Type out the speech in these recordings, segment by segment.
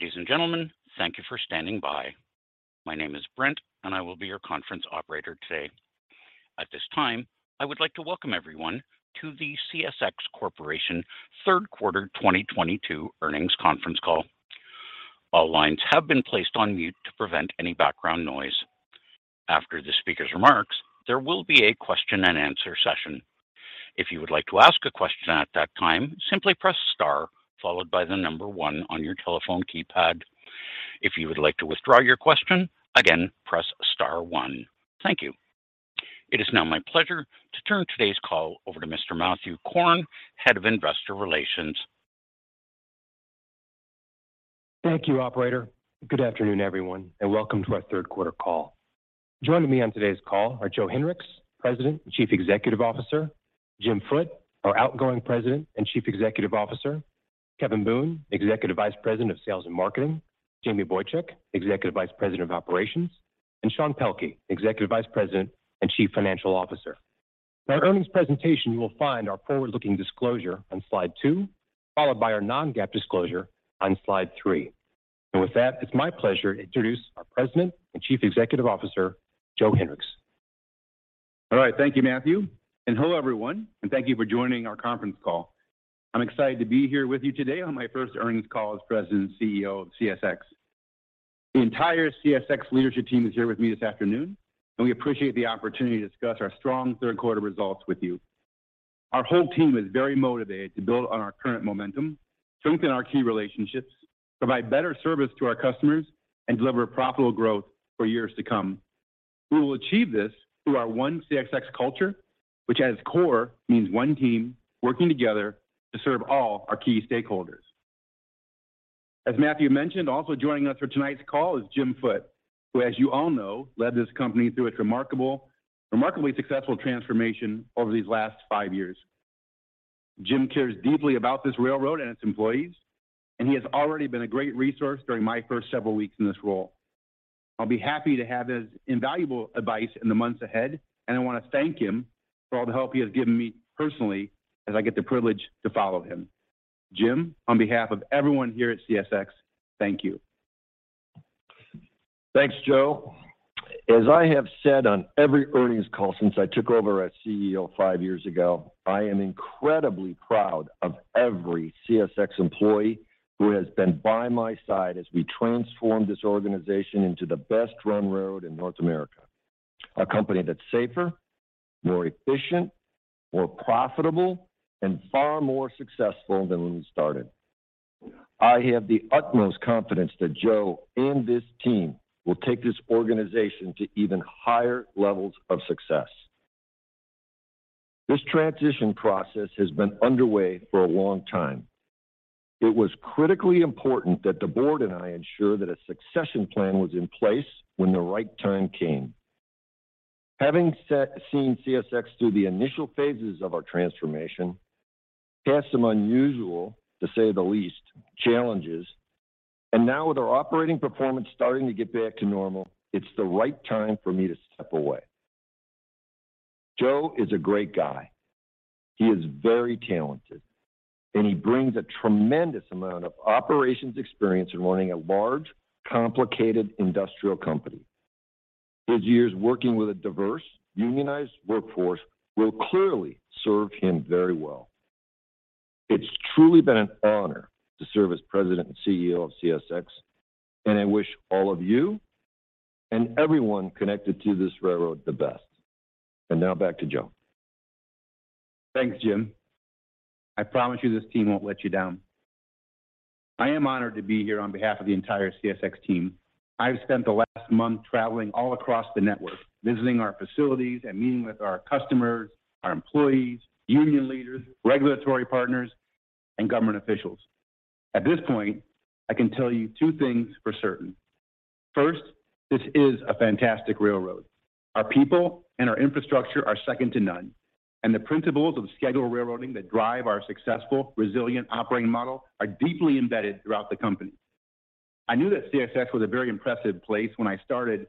Ladies and gentlemen, thank you for standing by. My name is Brent, and I will be your conference operator today. At this time, I would like to welcome everyone to the CSX Corporation third quarter 2022 earnings conference call. All lines have been placed on mute to prevent any background noise. After the speaker's remarks, there will be a question-and-answer session. If you would like to ask a question at that time, simply press star followed by the number one on your telephone keypad. If you would like to withdraw your question, again, press star one. Thank you. It is now my pleasure to turn today's call over to Mr. Matthew Korn, Head of Investor Relations. Thank you, operator. Good afternoon, everyone, and welcome to our third quarter call. Joining me on today's call are Joe Hinrichs, President and Chief Executive Officer, Jim Foote, our outgoing President and Chief Executive Officer, Kevin Boone, Executive Vice President of Sales and Marketing, Jamie Boychuk, Executive Vice President of Operations, and Sean Pelkey, Executive Vice President and Chief Financial Officer. In our earnings presentation, you will find our forward-looking disclosure on slide 2, followed by our non-GAAP disclosure on slide 3. With that, it's my pleasure to introduce our President and Chief Executive Officer, Joe Hinrichs. All right. Thank you, Matthew. Hello, everyone, and thank you for joining our conference call. I'm excited to be here with you today on my first earnings call as President and CEO of CSX. The entire CSX leadership team is here with me this afternoon, and we appreciate the opportunity to discuss our strong third quarter results with you. Our whole team is very motivated to build on our current momentum, strengthen our key relationships, provide better service to our customers, and deliver profitable growth for years to come. We will achieve this through our one CSX culture, which at its core means one team working together to serve all our key stakeholders. As Matthew mentioned, also joining us for tonight's call is Jim Foote, who, as you all know, led this company through its remarkably successful transformation over these last years. Jim cares deeply about this railroad and its employees, and he has already been a great resource during my first several weeks in this role. I'll be happy to have his invaluable advice in the months ahead, and I want to thank him for all the help he has given me personally as I get the privilege to follow him. Jim, on behalf of everyone here at CSX, thank you. Thanks, Joe. As I have said on every earnings call since I took over as CEO 5 years ago, I am incredibly proud of every CSX employee who has been by my side as we transformed this organization into the best-run road in North America. A company that's safer, more efficient, more profitable, and far more successful than when we started. I have the utmost confidence that Joe and this team will take this organization to even higher levels of success. This transition process has been underway for a long time. It was critically important that the board and I ensure that a succession plan was in place when the right time came. Having seen CSX through the initial phases of our transformation, we had some unusual, to say the least, challenges, and now with our operating performance starting to get back to normal, it's the right time for me to step away. Joe is a great guy. He is very talented, and he brings a tremendous amount of operations experience in running a large, complicated industrial company. His years working with a diverse, unionized workforce will clearly serve him very well. It's truly been an honor to serve as President and CEO of CSX, and I wish all of you and everyone connected to this railroad the best. Now back to Joe. Thanks, Jim. I promise you this team won't let you down. I am honored to be here on behalf of the entire CSX team. I've spent the last month traveling all across the network, visiting our facilities and meeting with our customers, our employees, union leaders, regulatory partners, and government officials. At this point, I can tell you 2 things for certain. First, this is a fantastic railroad. Our people and our infrastructure are second to none, and the principles of scheduled railroading that drive our successful, resilient operating model are deeply embedded throughout the company. I knew that CSX was a very impressive place when I started,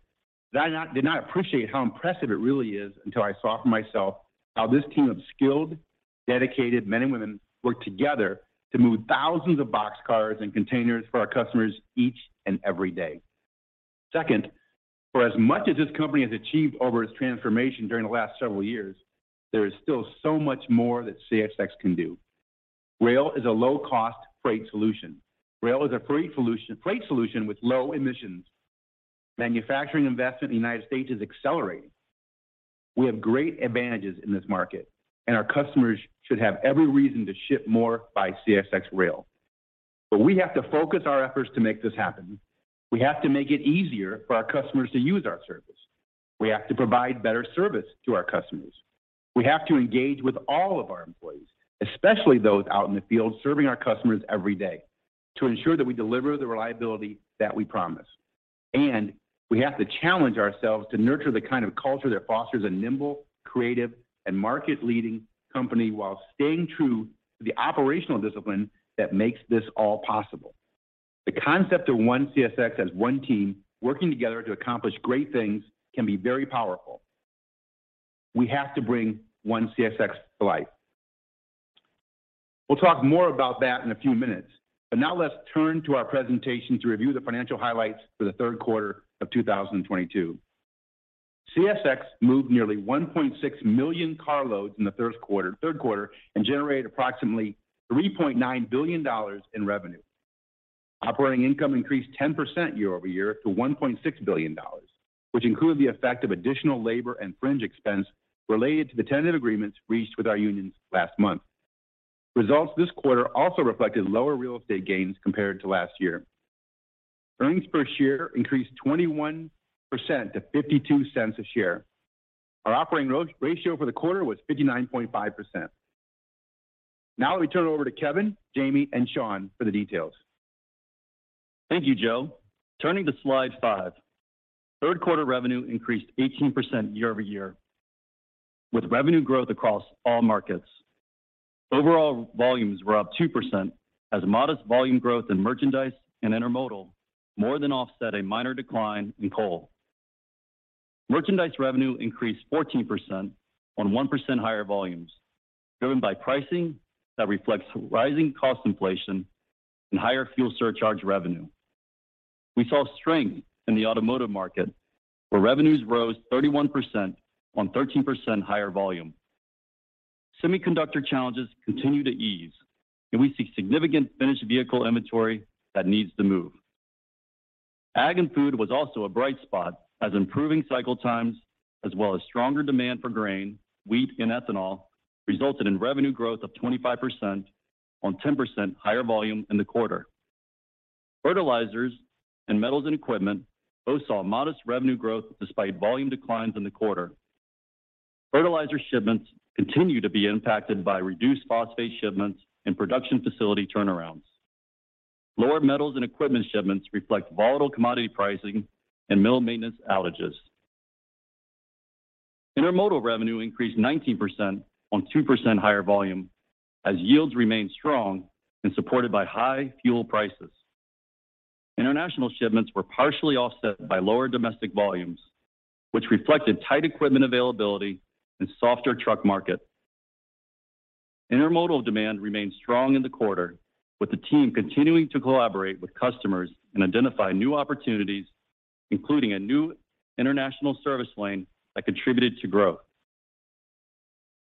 but I did not appreciate how impressive it really is until I saw for myself how this team of skilled, dedicated men and women work together to move thousands of boxcars and containers for our customers each and every day. Second, for as much as this company has achieved over its transformation during the last several years, there is still so much more that CSX can do. Rail is a low-cost freight solution. Rail is a freight solution with low emissions. Manufacturing investment in the United States is accelerating. We have great advantages in this market, and our customers should have every reason to ship more by CSX rail. We have to focus our efforts to make this happen. We have to make it easier for our customers to use our service. We have to provide better service to our customers. We have to engage with all of our employees, especially those out in the field serving our customers every day, to ensure that we deliver the reliability that we promise. We have to challenge ourselves to nurture the kind of culture that fosters a nimble, creative, and market-leading company while staying true to the operational discipline that makes this all possible. The concept of One CSX as one team working together to accomplish great things can be very powerful. We have to bring One CSX to life. We'll talk more about that in a few minutes, but now let's turn to our presentation to review the financial highlights for the third quarter of 2022. CSX moved nearly 1.6 million carloads in the third quarter and generated approximately $3.9 billion in revenue. Operating income increased 10% year-over-year to $1.6 billion, which included the effect of additional labor and fringe expense related to the tentative agreements reached with our unions last month. Results this quarter also reflected lower real estate gains compared to last year. Earnings per share increased 21% to $0.52 a share. Our operating ratio for the quarter was 59.5%. Now let me turn it over to Kevin, Jamie, and Sean for the details. Thank you, Joe. Turning to slide 5. Third quarter revenue increased 18% year-over-year with revenue growth across all markets. Overall, volumes were up 2% as modest volume growth in merchandise and intermodal more than offset a minor decline in coal. Merchandise revenue increased 14% on 1% higher volumes, driven by pricing that reflects rising cost inflation and higher fuel surcharge revenue. We saw strength in the automotive market, where revenues rose 31% on 13% higher volume. Semiconductor challenges continue to ease, and we see significant finished vehicle inventory that needs to move. Ag and food was also a bright spot as improving cycle times as well as stronger demand for grain, wheat, and ethanol resulted in revenue growth of 25% on 10% higher volume in the quarter. Fertilizers and metals and equipment both saw modest revenue growth despite volume declines in the quarter. Fertilizer shipments continue to be impacted by reduced phosphate shipments and production facility turnarounds. Lower metals and equipment shipments reflect volatile commodity pricing and mill maintenance outages. Intermodal revenue increased 19% on 2% higher volume as yields remained strong and supported by high fuel prices. International shipments were partially offset by lower domestic volumes, which reflected tight equipment availability and softer truck market. Intermodal demand remained strong in the quarter, with the team continuing to collaborate with customers and identify new opportunities, including a new international service lane that contributed to growth.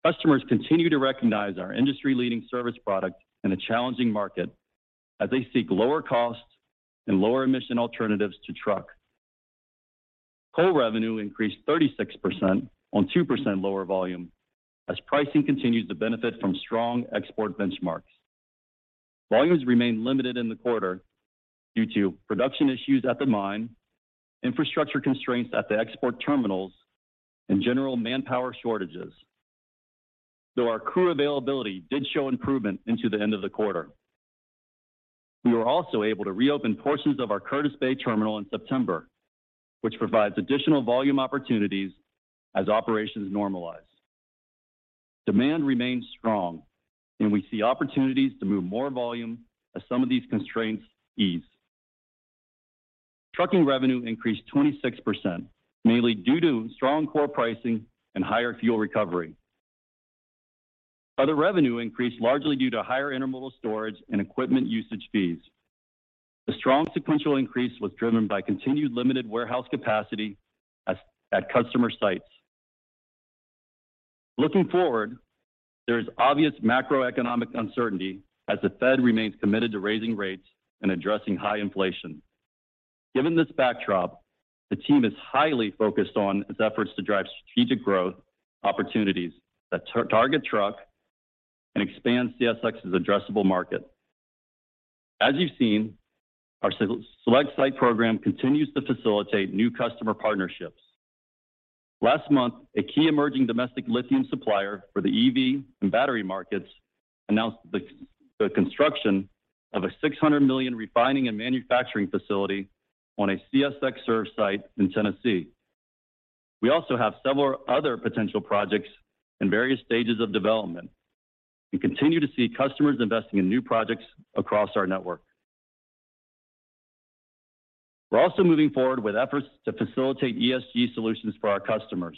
Customers continue to recognize our industry-leading service product in a challenging market as they seek lower costs and lower emission alternatives to truck. Coal revenue increased 36% on 2% lower volume as pricing continues to benefit from strong export benchmarks. Volumes remained limited in the quarter due to production issues at the mine, infrastructure constraints at the export terminals, and general manpower shortages. Though our crew availability did show improvement into the end of the quarter. We were also able to reopen portions of our Curtis Bay Terminal in September, which provides additional volume opportunities as operations normalize. Demand remains strong, and we see opportunities to move more volume as some of these constraints ease. Trucking revenue increased 26%, mainly due to strong core pricing and higher fuel recovery. Other revenue increased largely due to higher intermodal storage and equipment usage fees. The strong sequential increase was driven by continued limited warehouse capacity at customer sites. Looking forward, there is obvious macroeconomic uncertainty as the Fed remains committed to raising rates and addressing high inflation. Given this backdrop, the team is highly focused on its efforts to drive strategic growth opportunities that target truck and expand CSX's addressable market. As you've seen, our Select Site program continues to facilitate new customer partnerships. Last month, a key emerging domestic lithium supplier for the EV and battery markets announced the construction of a $600 million refining and manufacturing facility on a CSX-served site in Tennessee. We also have several other potential projects in various stages of development and continue to see customers investing in new projects across our network. We're also moving forward with efforts to facilitate ESG solutions for our customers.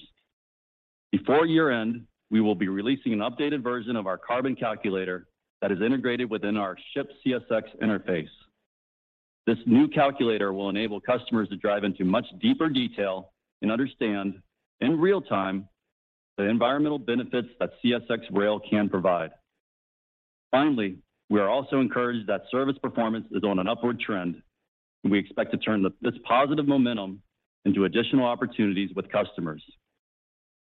Before year-end, we will be releasing an updated version of our Carbon Calculator that is integrated within our ShipCSX interface. This new calculator will enable customers to dive into much deeper detail and understand in real time the environmental benefits that CSX Rail can provide. Finally, we are also encouraged that service performance is on an upward trend, and we expect to turn this positive momentum into additional opportunities with customers.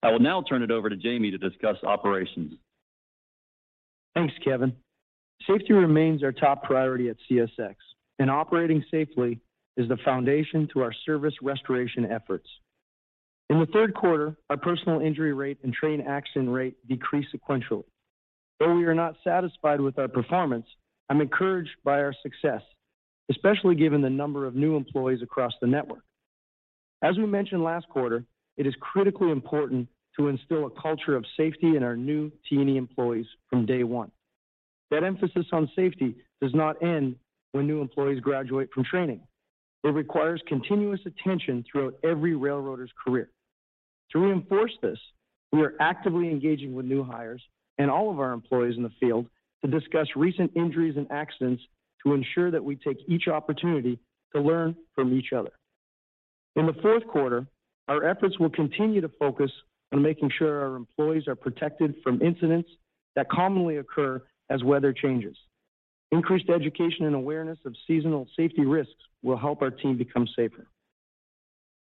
I will now turn it over to Jamie to discuss operations. Thanks, Kevin. Safety remains our top priority at CSX, and operating safely is the foundation to our service restoration efforts. In the third quarter, our personal injury rate and train action rate decreased sequentially. Though we are not satisfied with our performance, I'm encouraged by our success, especially given the number of new employees across the network. As we mentioned last quarter, it is critically important to instill a culture of safety in our new T&E employees from day 1. That emphasis on safety does not end when new employees graduate from training. It requires continuous attention throughout every railroader's career. To reinforce this, we are actively engaging with new hires and all of our employees in the field to discuss recent injuries and accidents to ensure that we take each opportunity to learn from each other. In the fourth quarter, our efforts will continue to focus on making sure our employees are protected from incidents that commonly occur as weather changes. Increased education and awareness of seasonal safety risks will help our team become safer.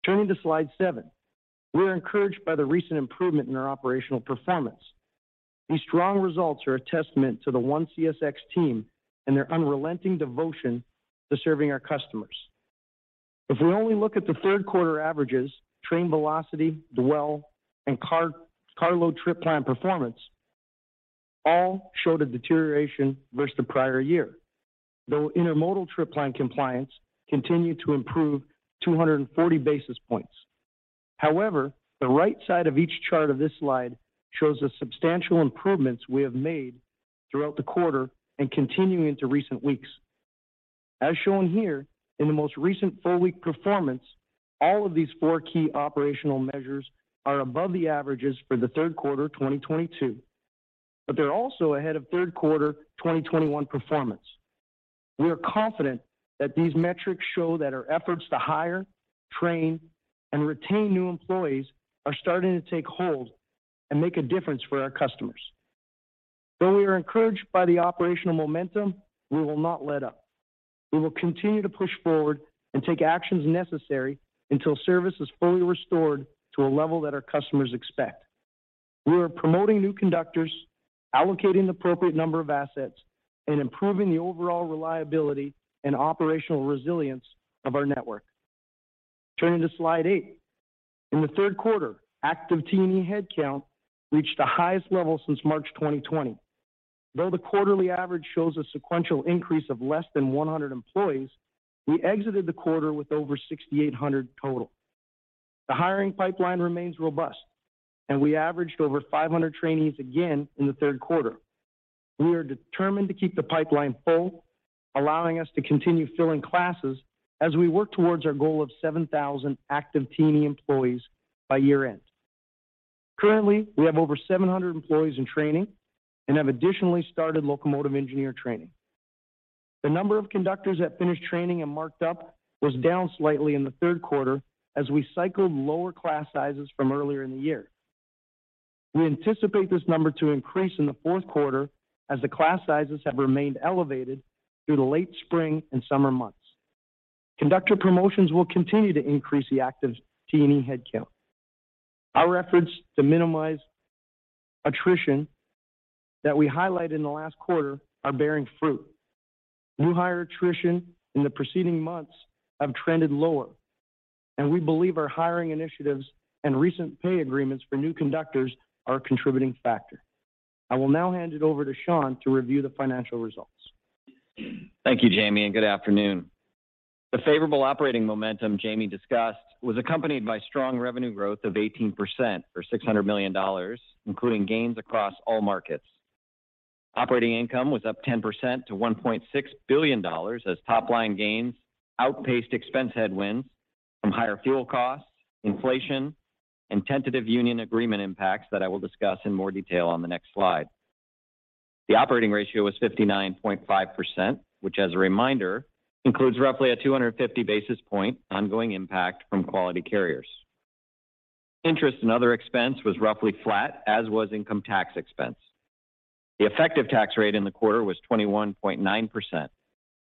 Turning to slide 7. We're encouraged by the recent improvement in our operational performance. These strong results are a testament to the One CSX team and their unrelenting devotion to serving our customers. If we only look at the third quarter averages, train velocity, dwell, and carload trip plan performance all showed a deterioration versus the prior year. Though intermodal trip plan compliance continued to improve 240 basis points. However, the right side of each chart of this slide shows the substantial improvements we have made throughout the quarter and continuing into recent weeks. As shown here in the most recent 4 week performance, all of these 4 key operational measures are above the averages for the third quarter, 2022, but they're also ahead of third quarter, 2021 performance. We are confident that these metrics show that our efforts to hire, train, and retain new employees are starting to take hold and make a difference for our customers. Though we are encouraged by the operational momentum, we will not let up. We will continue to push forward and take actions necessary until service is fully restored to a level that our customers expect. We are promoting new conductors, allocating the appropriate number of assets, and improving the overall reliability and operational resilience of our network. Turning to slide 8. In the third quarter, active T&E headcount reached the highest level since March 2020. Though the quarterly average shows a sequential increase of less than 100 employees, we exited the quarter with over 6,800 total. The hiring pipeline remains robust, and we averaged over 500 trainees again in the third quarter. We are determined to keep the pipeline full, allowing us to continue filling classes as we work towards our goal of 7,000 active T&E employees by year-end. Currently, we have over 700 employees in training and have additionally started locomotive engineer training. The number of conductors that finished training and marked up was down slightly in the third quarter as we cycled lower class sizes from earlier in the year. We anticipate this number to increase in the fourth quarter as the class sizes have remained elevated through the late spring and summer months. Conductor promotions will continue to increase the active T&E headcount. Our efforts to minimize attrition that we highlighted in the last quarter are bearing fruit. New hire attrition in the preceding months have trended lower, and we believe our hiring initiatives and recent pay agreements for new conductors are a contributing factor. I will now hand it over to Sean to review the financial results. Thank you, Jamie, and good afternoon. The favorable operating momentum Jamie discussed was accompanied by strong revenue growth of 18% or $600 million, including gains across all markets. Operating income was up 10% to $1.6 billion as top-line gains outpaced expense headwinds from higher fuel costs, inflation, and tentative union agreement impacts that I will discuss in more detail on the next slide. The operating ratio was 59.5%, which as a reminder, includes roughly a 250 basis point ongoing impact from Quality Carriers. Interest and other expense was roughly flat, as was income tax expense. The effective tax rate in the quarter was 21.9%,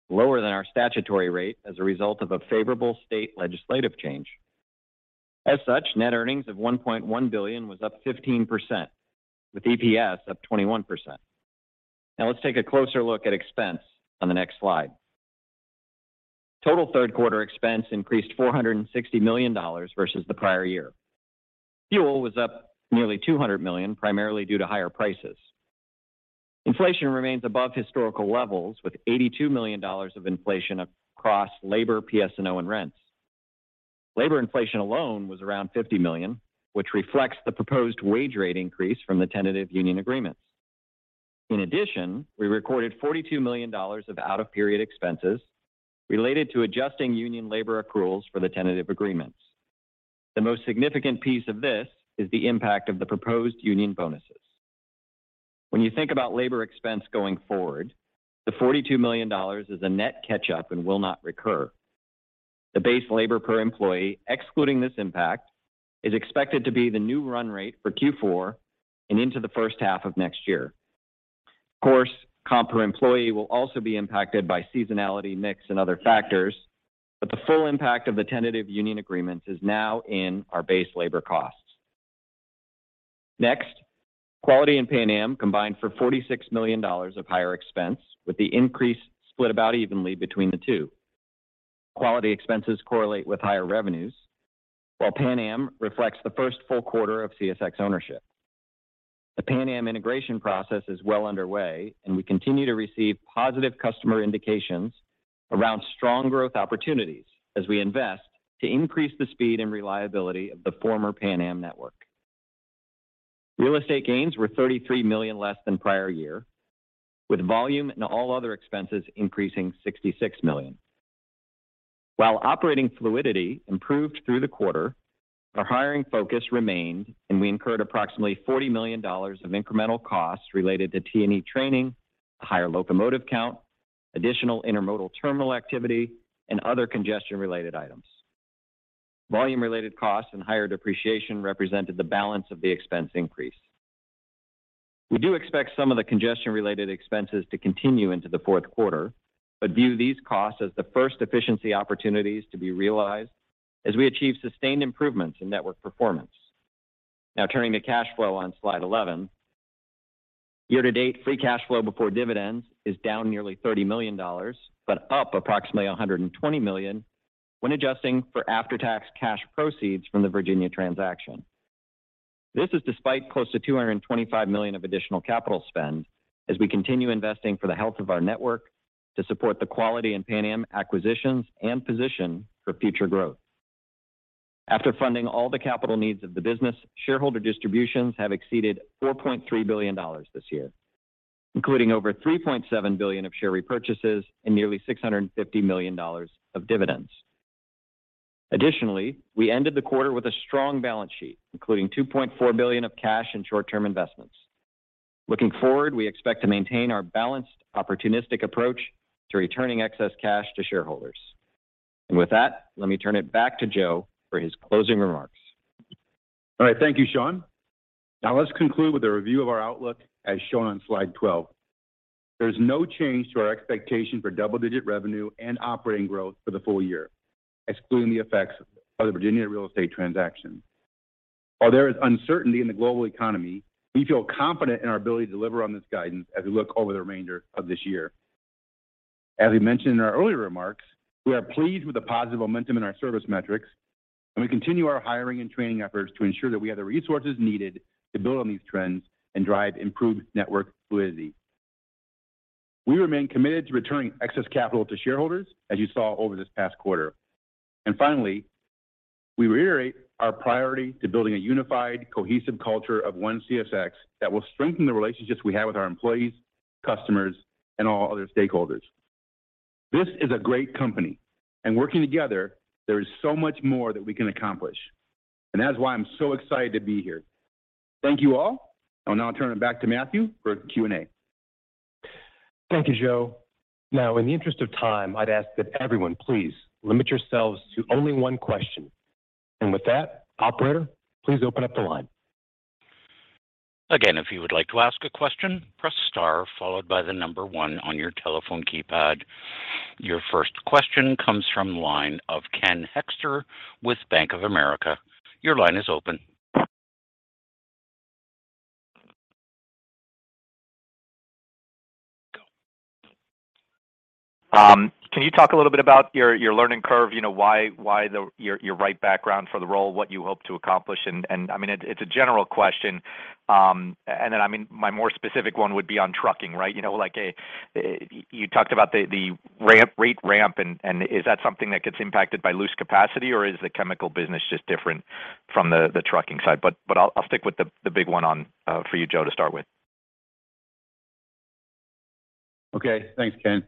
lower than our statutory rate as a result of a favorable state legislative change. As such, net earnings of $1.1 billion was up 15%, with EPS up 21%. Now let's take a closer look at expense on the next slide. Total third quarter expense increased $460 million versus the prior year. Fuel was up nearly $200 million, primarily due to higher prices. Inflation remains above historical levels, with $82 million of inflation across labor, PS&O, and rents. Labor inflation alone was around $50 million, which reflects the proposed wage rate increase from the tentative union agreements. In addition, we recorded $42 million of out-of-period expenses related to adjusting union labor accruals for the tentative agreements. The most significant piece of this is the impact of the proposed union bonuses. When you think about labor expense going forward, the $42 million is a net catch up and will not recur. The base labor per employee, excluding this impact, is expected to be the new run rate for Q4 and into the first half of next year. Of course, comp per employee will also be impacted by seasonality, mix, and other factors, but the full impact of the tentative union agreements is now in our base labor costs. Next, Quality and Pan Am combined for $46 million of higher expense, with the increase split about evenly between the 2. Quality expenses correlate with higher revenues, while Pan Am reflects the first full quarter of CSX ownership. The Pan Am integration process is well underway, and we continue to receive positive customer indications around strong growth opportunities as we invest to increase the speed and reliability of the former Pan Am network. Real estate gains were $33 million less than prior year, with volume and all other expenses increasing $66 million. While operating fluidity improved through the quarter, our hiring focus remained, and we incurred approximately $40 million of incremental costs related to T&E training, higher locomotive count, additional intermodal terminal activity, and other congestion-related items. Volume-related costs and higher depreciation represented the balance of the expense increase. We do expect some of the congestion-related expenses to continue into the fourth quarter, but view these costs as the first efficiency opportunities to be realized as we achieve sustained improvements in network performance. Now turning to cash flow on slide 11. Year-to-date, free cash flow before dividends is down nearly $30 million, but up approximately $120 million when adjusting for after-tax cash proceeds from the Virginia transaction. This is despite close to $225 million of additional capital spend as we continue investing for the health of our network to support the Quality and Pan Am acquisitions and position for future growth. After funding all the capital needs of the business, shareholder distributions have exceeded $4.3 billion this year, including over $3.7 billion of share repurchases and nearly $650 million of dividends. Additionally, we ended the quarter with a strong balance sheet, including $2.4 billion of cash and short-term investments. Looking forward, we expect to maintain our balanced, opportunistic approach to returning excess cash to shareholders. With that, let me turn it back to Joe for his closing remarks. All right. Thank you, Sean. Now let's conclude with a review of our outlook as shown on slide 12. There's no change to our expectation for double-digit revenue and operating growth for the full year, excluding the effects of the Virginia real estate transaction. While there is uncertainty in the global economy, we feel confident in our ability to deliver on this guidance as we look over the remainder of this year. As we mentioned in our earlier remarks, we are pleased with the positive momentum in our service metrics, and we continue our hiring and training efforts to ensure that we have the resources needed to build on these trends and drive improved network fluidity. We remain committed to returning excess capital to shareholders, as you saw over this past quarter. Finally, we reiterate our priority to building a unified, cohesive culture of One CSX that will strengthen the relationships we have with our employees, customers, and all other stakeholders. This is a great company, and working together, there is so much more that we can accomplish. That's why I'm so excited to be here. Thank you all. I'll now turn it back to Matthew for Q&A. Thank you, Joe. Now, in the interest of time, I'd ask that everyone please limit yourselves to only 1 question. With that, operator, please open up the line. Again, if you would like to ask a question, press star followed by the number one on your telephone keypad. Your first question comes from the line of Ken Hoexter with Bank of America. Your line is open. Can you talk a little bit about your learning curve? You know, why you're the right background for the role, what you hope to accomplish? I mean, it's a general question. Then, I mean, my more specific one would be on trucking, right? You know, like, you talked about the rate ramp, and is that something that gets impacted by loose capacity, or is the chemical business just different from the trucking side? I'll stick with the big one on, for you, Joe, to start with. Okay. Thanks, Ken.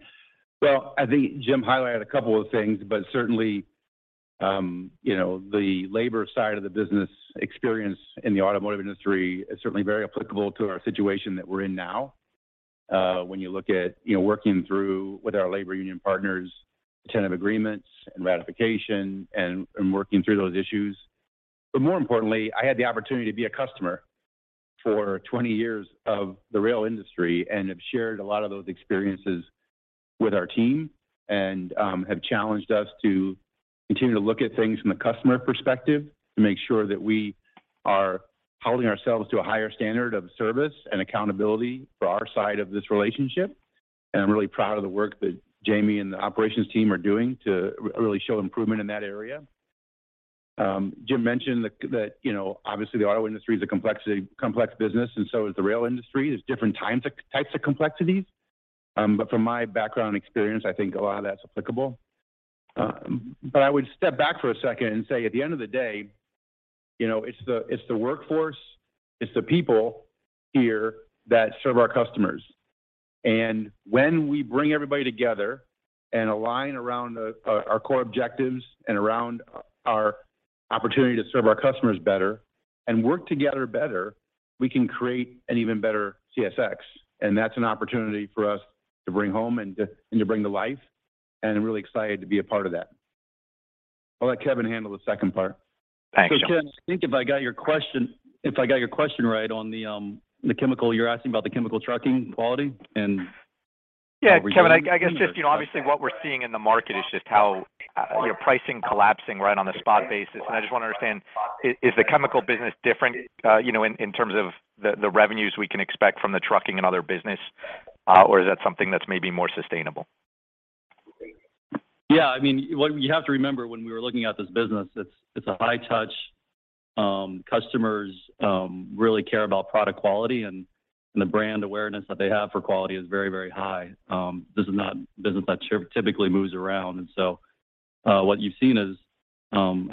Well, I think Jim highlighted a couple of things, but certainly, you know, the labor side of the business experience in the automotive industry is certainly very applicable to our situation that we're in now, when you look at, you know, working through with our labor union partners, tentative agreements and ratification and working through those issues. More importantly, I had the opportunity to be a customer for 20 years of the rail industry and have shared a lot of those experiences with our team and, have challenged us to continue to look at things from the customer perspective to make sure that we are holding ourselves to a higher standard of service and accountability for our side of this relationship. I'm really proud of the work that Jamie and the operations team are doing to really show improvement in that area. Jim mentioned that, you know, obviously the auto industry is a complex business, and so is the rail industry. There's different types of complexities. But from my background experience, I think a lot of that's applicable. But I would step back for a second and say, at the end of the day, you know, it's the workforce, it's the people here that serve our customers. When we bring everybody together and align around our core objectives and around our opportunity to serve our customers better and work together better, we can create an even better CSX. That's an opportunity for us to bring home and bring to life, and I'm really excited to be a part of that. I'll let Kevin handle the second part. Thanks, Joe. Kevin, I think if I got your question right on the chemical, you're asking about the Quality Carriers and- Yeah, Kevin, I guess just, you know, obviously what we're seeing in the market is just how, you know, pricing collapsing right on the spot basis. I just wanna understand, is the chemical business different, you know, in terms of the revenues we can expect from the trucking and other business? Or is that something that's maybe more sustainable? Yeah. I mean, you have to remember when we were looking at this business, it's a high touch. Customers really care about product quality, and the brand awareness that they have for quality is very, very high. This is not business that typically moves around. What you've seen is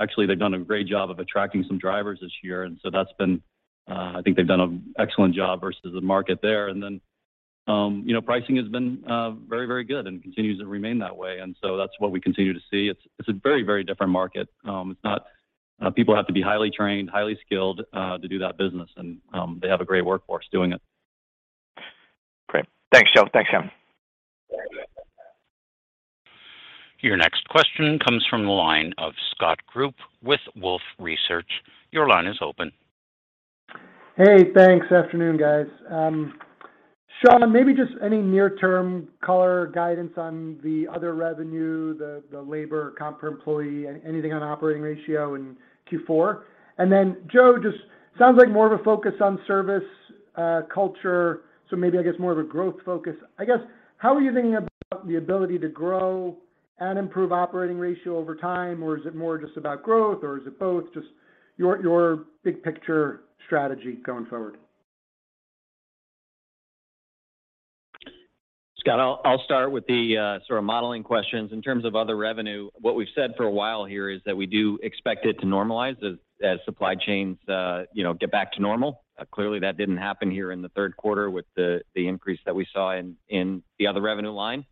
actually they've done a great job of attracting some drivers this year, and that's been. I think they've done an excellent job versus the market there. Then, you know, pricing has been very, very good and continues to remain that way. That's what we continue to see. It's a very, very different market. People have to be highly trained, highly skilled, to do that business and they have a great workforce doing it. Great. Thanks, Joe. Thanks, Sean. Your next question comes from the line of Scott Group with Wolfe Research. Your line is open. Hey, thanks. Afternoon, guys. Sean, maybe just any near-term color guidance on the other revenue, the labor comp per employee, anything on operating ratio in Q4. Joe, just sounds like more of a focus on service, culture, so maybe I guess more of a growth focus. I guess, how are you thinking about the ability to grow and improve operating ratio over time, or is it more just about growth, or is it both? Just your big picture strategy going forward. Scott, I'll start with the sort of modeling questions. In terms of other revenue, what we've said for a while here is that we do expect it to normalize as supply chains you know get back to normal. Clearly, that didn't happen here in the third quarter with the increase that we saw in the other revenue line.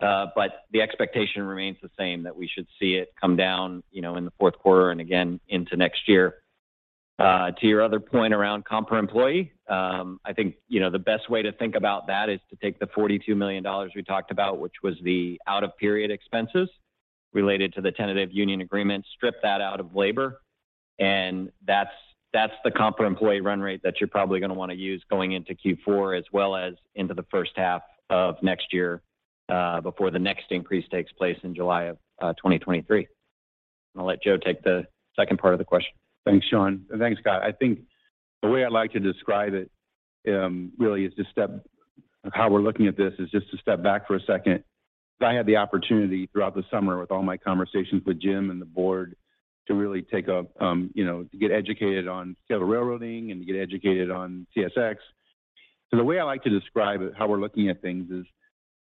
The expectation remains the same, that we should see it come down, you know, in the fourth quarter and again into next year. To your other point around comp per employee, I think, you know, the best way to think about that is to take the $42 million we talked about, which was the out-of-period expenses related to the tentative union agreement, strip that out of labor, and that's the comp per employee run rate that you're probably gonna wanna use going into Q4 as well as into the first half of next year, before the next increase takes place in July of 2023. I'm gonna let Joe take the second part of the question. Thanks, Sean. Thanks, Scott. I think the way I like to describe it really is how we're looking at this is just to step back for a second. I had the opportunity throughout the summer with all my conversations with Jim and the board to really take a, you know, to get educated on scheduled railroading and to get educated on CSX. The way I like to describe how we're looking at things is,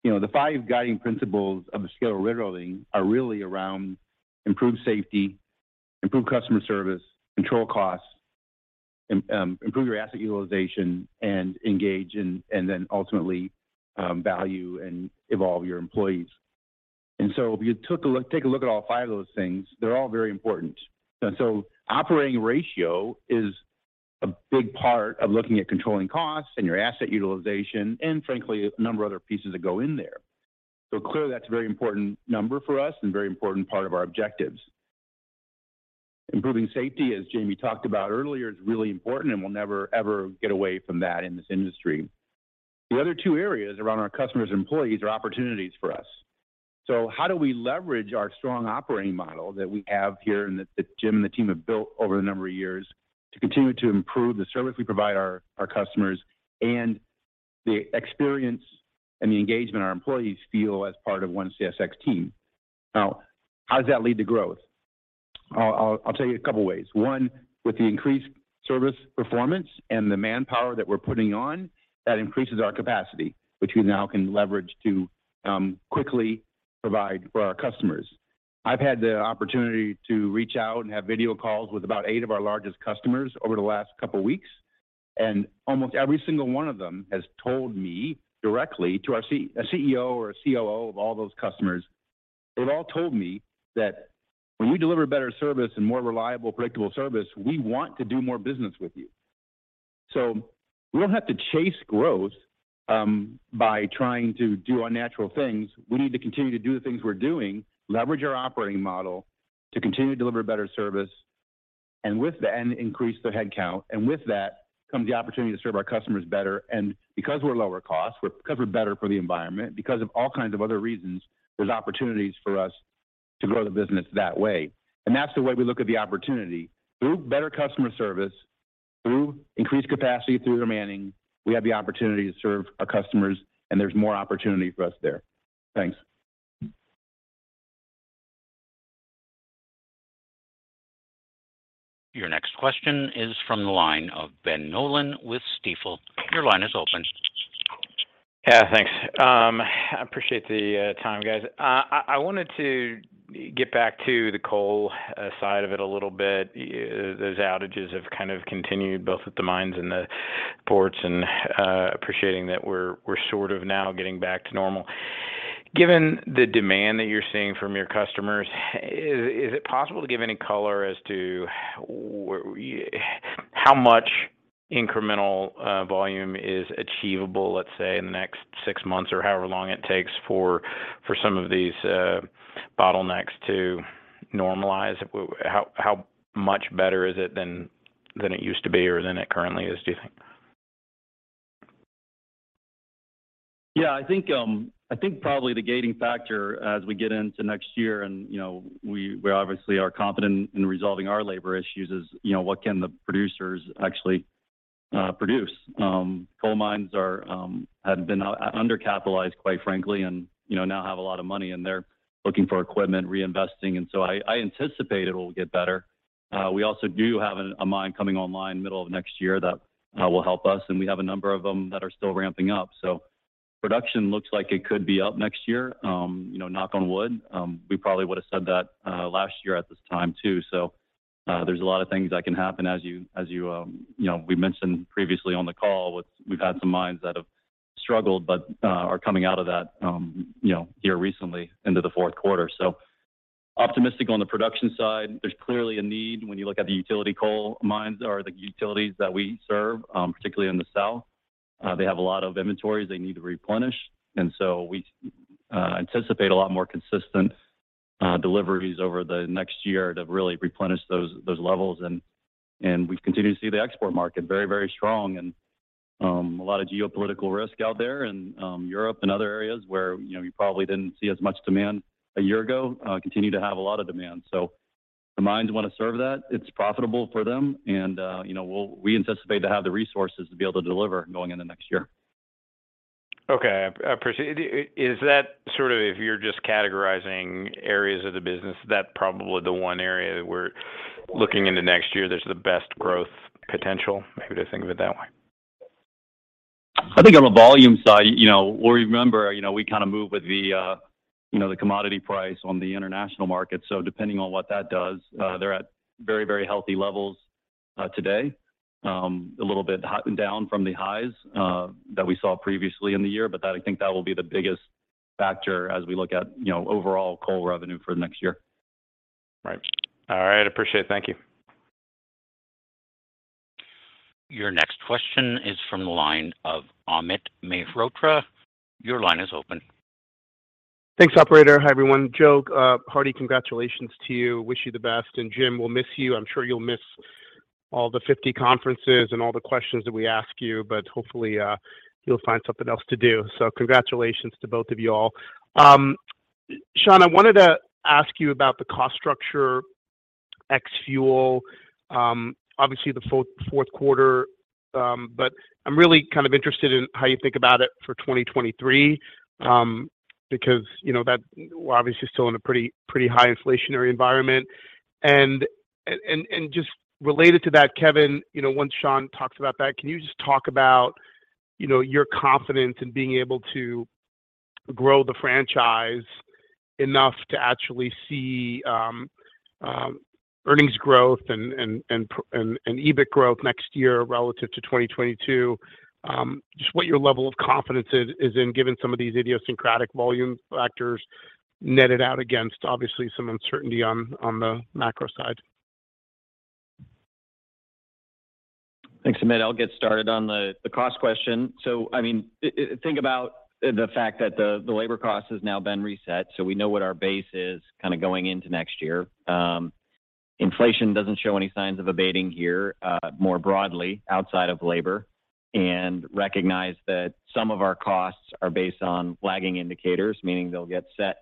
you know, the 5 guiding principles of a scheduled railroading are really around improved safety, improved customer service, controlled costs, improved your asset utilization, and engage and then ultimately, value and evolve your employees. Take a look at all 5 of those things, they're all very important. Operating ratio is a big part of looking at controlling costs and your asset utilization and frankly, a number of other pieces that go in there. Clearly, that's a very important number for us and very important part of our objectives. Improving safety, as Jamie talked about earlier, is really important and we'll never, ever get away from that in this industry. The other 2 areas around our customers and employees are opportunities for us. How do we leverage our strong operating model that we have here and that Jim and the team have built over a number of years to continue to improve the service we provide our customers and the experience and the engagement our employees feel as part of One CSX team? Now, how does that lead to growth? I'll tell you a couple ways. With the increased service performance and the manpower that we're putting on, that increases our capacity, which we now can leverage to quickly provide for our customers. I've had the opportunity to reach out and have video calls with about 8 of our largest customers over the last couple weeks, and almost every single one of them has told me directly. To a CEO or a COO of all those customers, they've all told me that when we deliver better service and more reliable, predictable service, we want to do more business with you. We don't have to chase growth by trying to do unnatural things. We need to continue to do the things we're doing, leverage our operating model to continue to deliver better service and increase the head count, and with that comes the opportunity to serve our customers better and because we're lower cost, because we're better for the environment, because of all kinds of other reasons, there's opportunities for us to grow the business that way. That's the way we look at the opportunity. Through better customer service, through increased capacity, through remanning, we have the opportunity to serve our customers and there's more opportunity for us there. Thanks. Your next question is from the line of Ben Nolan with Stifel. Your line is open. Yeah, thanks. I appreciate the time, guys. I wanted to get back to the coal side of it a little bit. Those outages have kind of continued both at the mines and the ports, and appreciating that we're sort of now getting back to normal. Given the demand that you're seeing from your customers, is it possible to give any color as to how much incremental volume is achievable, let's say, in the next 6 months or however long it takes for some of these bottlenecks to normalize? How much better is it than it used to be or than it currently is, do you think? Yeah. I think probably the gating factor as we get into next year and, you know, we obviously are confident in resolving our labor issues is, you know, what can the producers actually produce? Coal mines have been undercapitalized, quite frankly, and, you know, now have a lot of money and they're looking for equipment, reinvesting. I anticipate it will get better. We also do have a mine coming online middle of next year that will help us, and we have a number of them that are still ramping up. Production looks like it could be up next year, you know, knock on wood. We probably would have said that last year at this time too. There's a lot of things that can happen as you know, we mentioned previously on the call. We've had some mines that have struggled but are coming out of that, you know, here recently into the fourth quarter. Optimistic on the production side. There's clearly a need when you look at the utility coal mines or the utilities that we serve, particularly in the South. They have a lot of inventories they need to replenish. We anticipate a lot more consistent deliveries over the next year to really replenish those levels and we continue to see the export market very strong and a lot of geopolitical risk out there in Europe and other areas where, you know, you probably didn't see as much demand a year ago continue to have a lot of demand. The mines want to serve that. It's profitable for them and, you know, we anticipate to have the resources to be able to deliver going into next year. Okay. I appreciate it. Is that sort of if you're just categorizing areas of the business, that probably the one area that we're looking into next year, there's the best growth potential? Maybe to think of it that way. I think on the volume side, you know, we remember, you know, we kind of move with the, you know, the commodity price on the international market. Depending on what that does, they're at very, very healthy levels, today. A little bit down from the highs, that we saw previously in the year. That, I think, that will be the biggest factor as we look at, you know, overall coal revenue for the next year. Right. All right. Appreciate it. Thank you. Your next question is from the line of Amit Mehrotra. Your line is open. Thanks, operator. Hi, everyone. Joe Hinrichs, congratulations to you. Wish you the best. Jim, we'll miss you. I'm sure you'll miss all the 50 conferences and all the questions that we ask you, but hopefully, you'll find something else to do. Congratulations to both of you all. Sean, I wanted to ask you about the cost structure ex-fuel, obviously the fourth quarter, but I'm really kind of interested in how you think about it for 2023, because, you know, that we're obviously still in a pretty high inflationary environment. Just related to that, Kevin, you know, once Sean talks about that, can you just talk about, you know, your confidence in being able to grow the franchise enough to actually see earnings growth and EBIT growth next year relative to 2022? Just what your level of confidence is in given some of these idiosyncratic volume factors netted out against obviously some uncertainty on the macro side. Thanks, Amit. I'll get started on the cost question. I mean, think about the fact that the labor cost has now been reset. We know what our base is kind of going into next year. Inflation doesn't show any signs of abating here, more broadly outside of labor, and recognize that some of our costs are based on lagging indicators, meaning they'll get set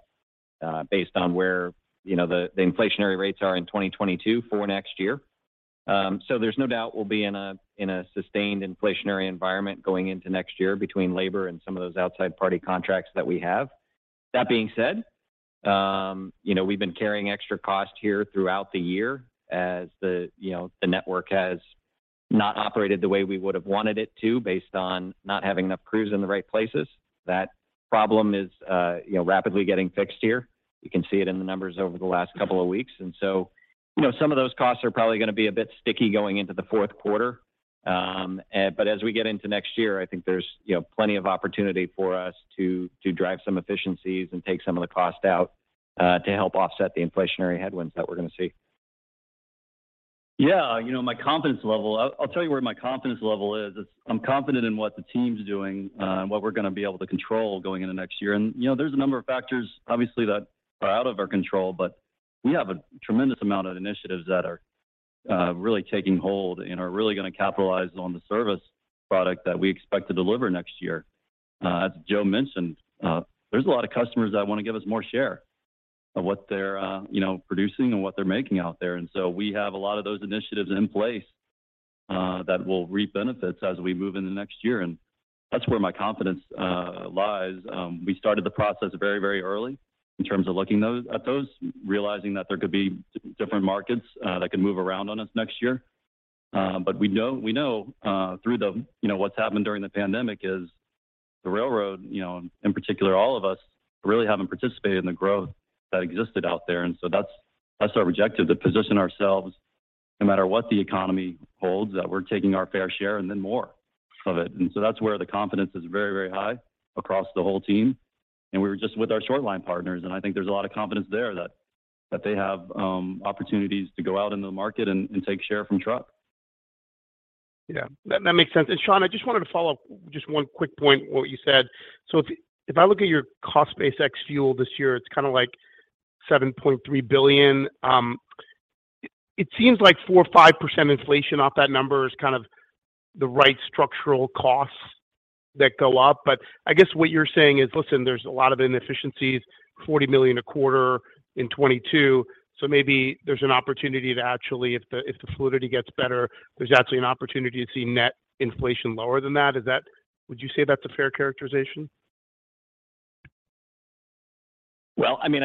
based on where, you know, the inflationary rates are in 2022 for next year. There's no doubt we'll be in a sustained inflationary environment going into next year between labor and some of those outside party contracts that we have. That being said, you know, we've been carrying extra cost here throughout the year as the, you know, the network has not operated the way we would have wanted it to based on not having enough crews in the right places. That problem is, you know, rapidly getting fixed here. You can see it in the numbers over the last couple of weeks. Some of those costs are probably going to be a bit sticky going into the fourth quarter. But as we get into next year, I think there's, you know, plenty of opportunity for us to drive some efficiencies and take some of the cost out, to help offset the inflationary headwinds that we're going to see. Yeah. You know, my confidence level. I'll tell you where my confidence level is. I'm confident in what the team's doing, and what we're going to be able to control going into next year. You know, there's a number of factors obviously that are out of our control, but we have a tremendous amount of initiatives that are really taking hold and are really going to capitalize on the service product that we expect to deliver next year. As Joe mentioned, there's a lot of customers that want to give us more share of what they're, you know, producing and what they're making out there. So we have a lot of those initiatives in place that will reap benefits as we move into next year. That's where my confidence lies. We started the process very, very early in terms of looking at those, realizing that there could be different markets that can move around on us next year. We know through you know, what's happened during the pandemic is the railroad, you know, in particular, all of us really haven't participated in the growth that existed out there. That's our objective, to position ourselves no matter what the economy holds, that we're taking our fair share and then more of it. That's where the confidence is very, very high across the whole team. We were just with our short line partners, and I think there's a lot of confidence there that they have opportunities to go out in the market and take share from truck. Yeah, that makes sense. Sean, I just wanted to follow up just 1 quick point what you said. If I look at your cost base ex-fuel this year, it's kind of like $7.3 billion. It seems like 4% or 5% inflation off that number is kind of the right structural costs that go up. But I guess what you're saying is, listen, there's a lot of inefficiencies, $40 million a quarter in 2022. Maybe there's an opportunity to actually if the fluidity gets better, there's actually an opportunity to see net inflation lower than that. Is that? Would you say that's a fair characterization? Well, I mean,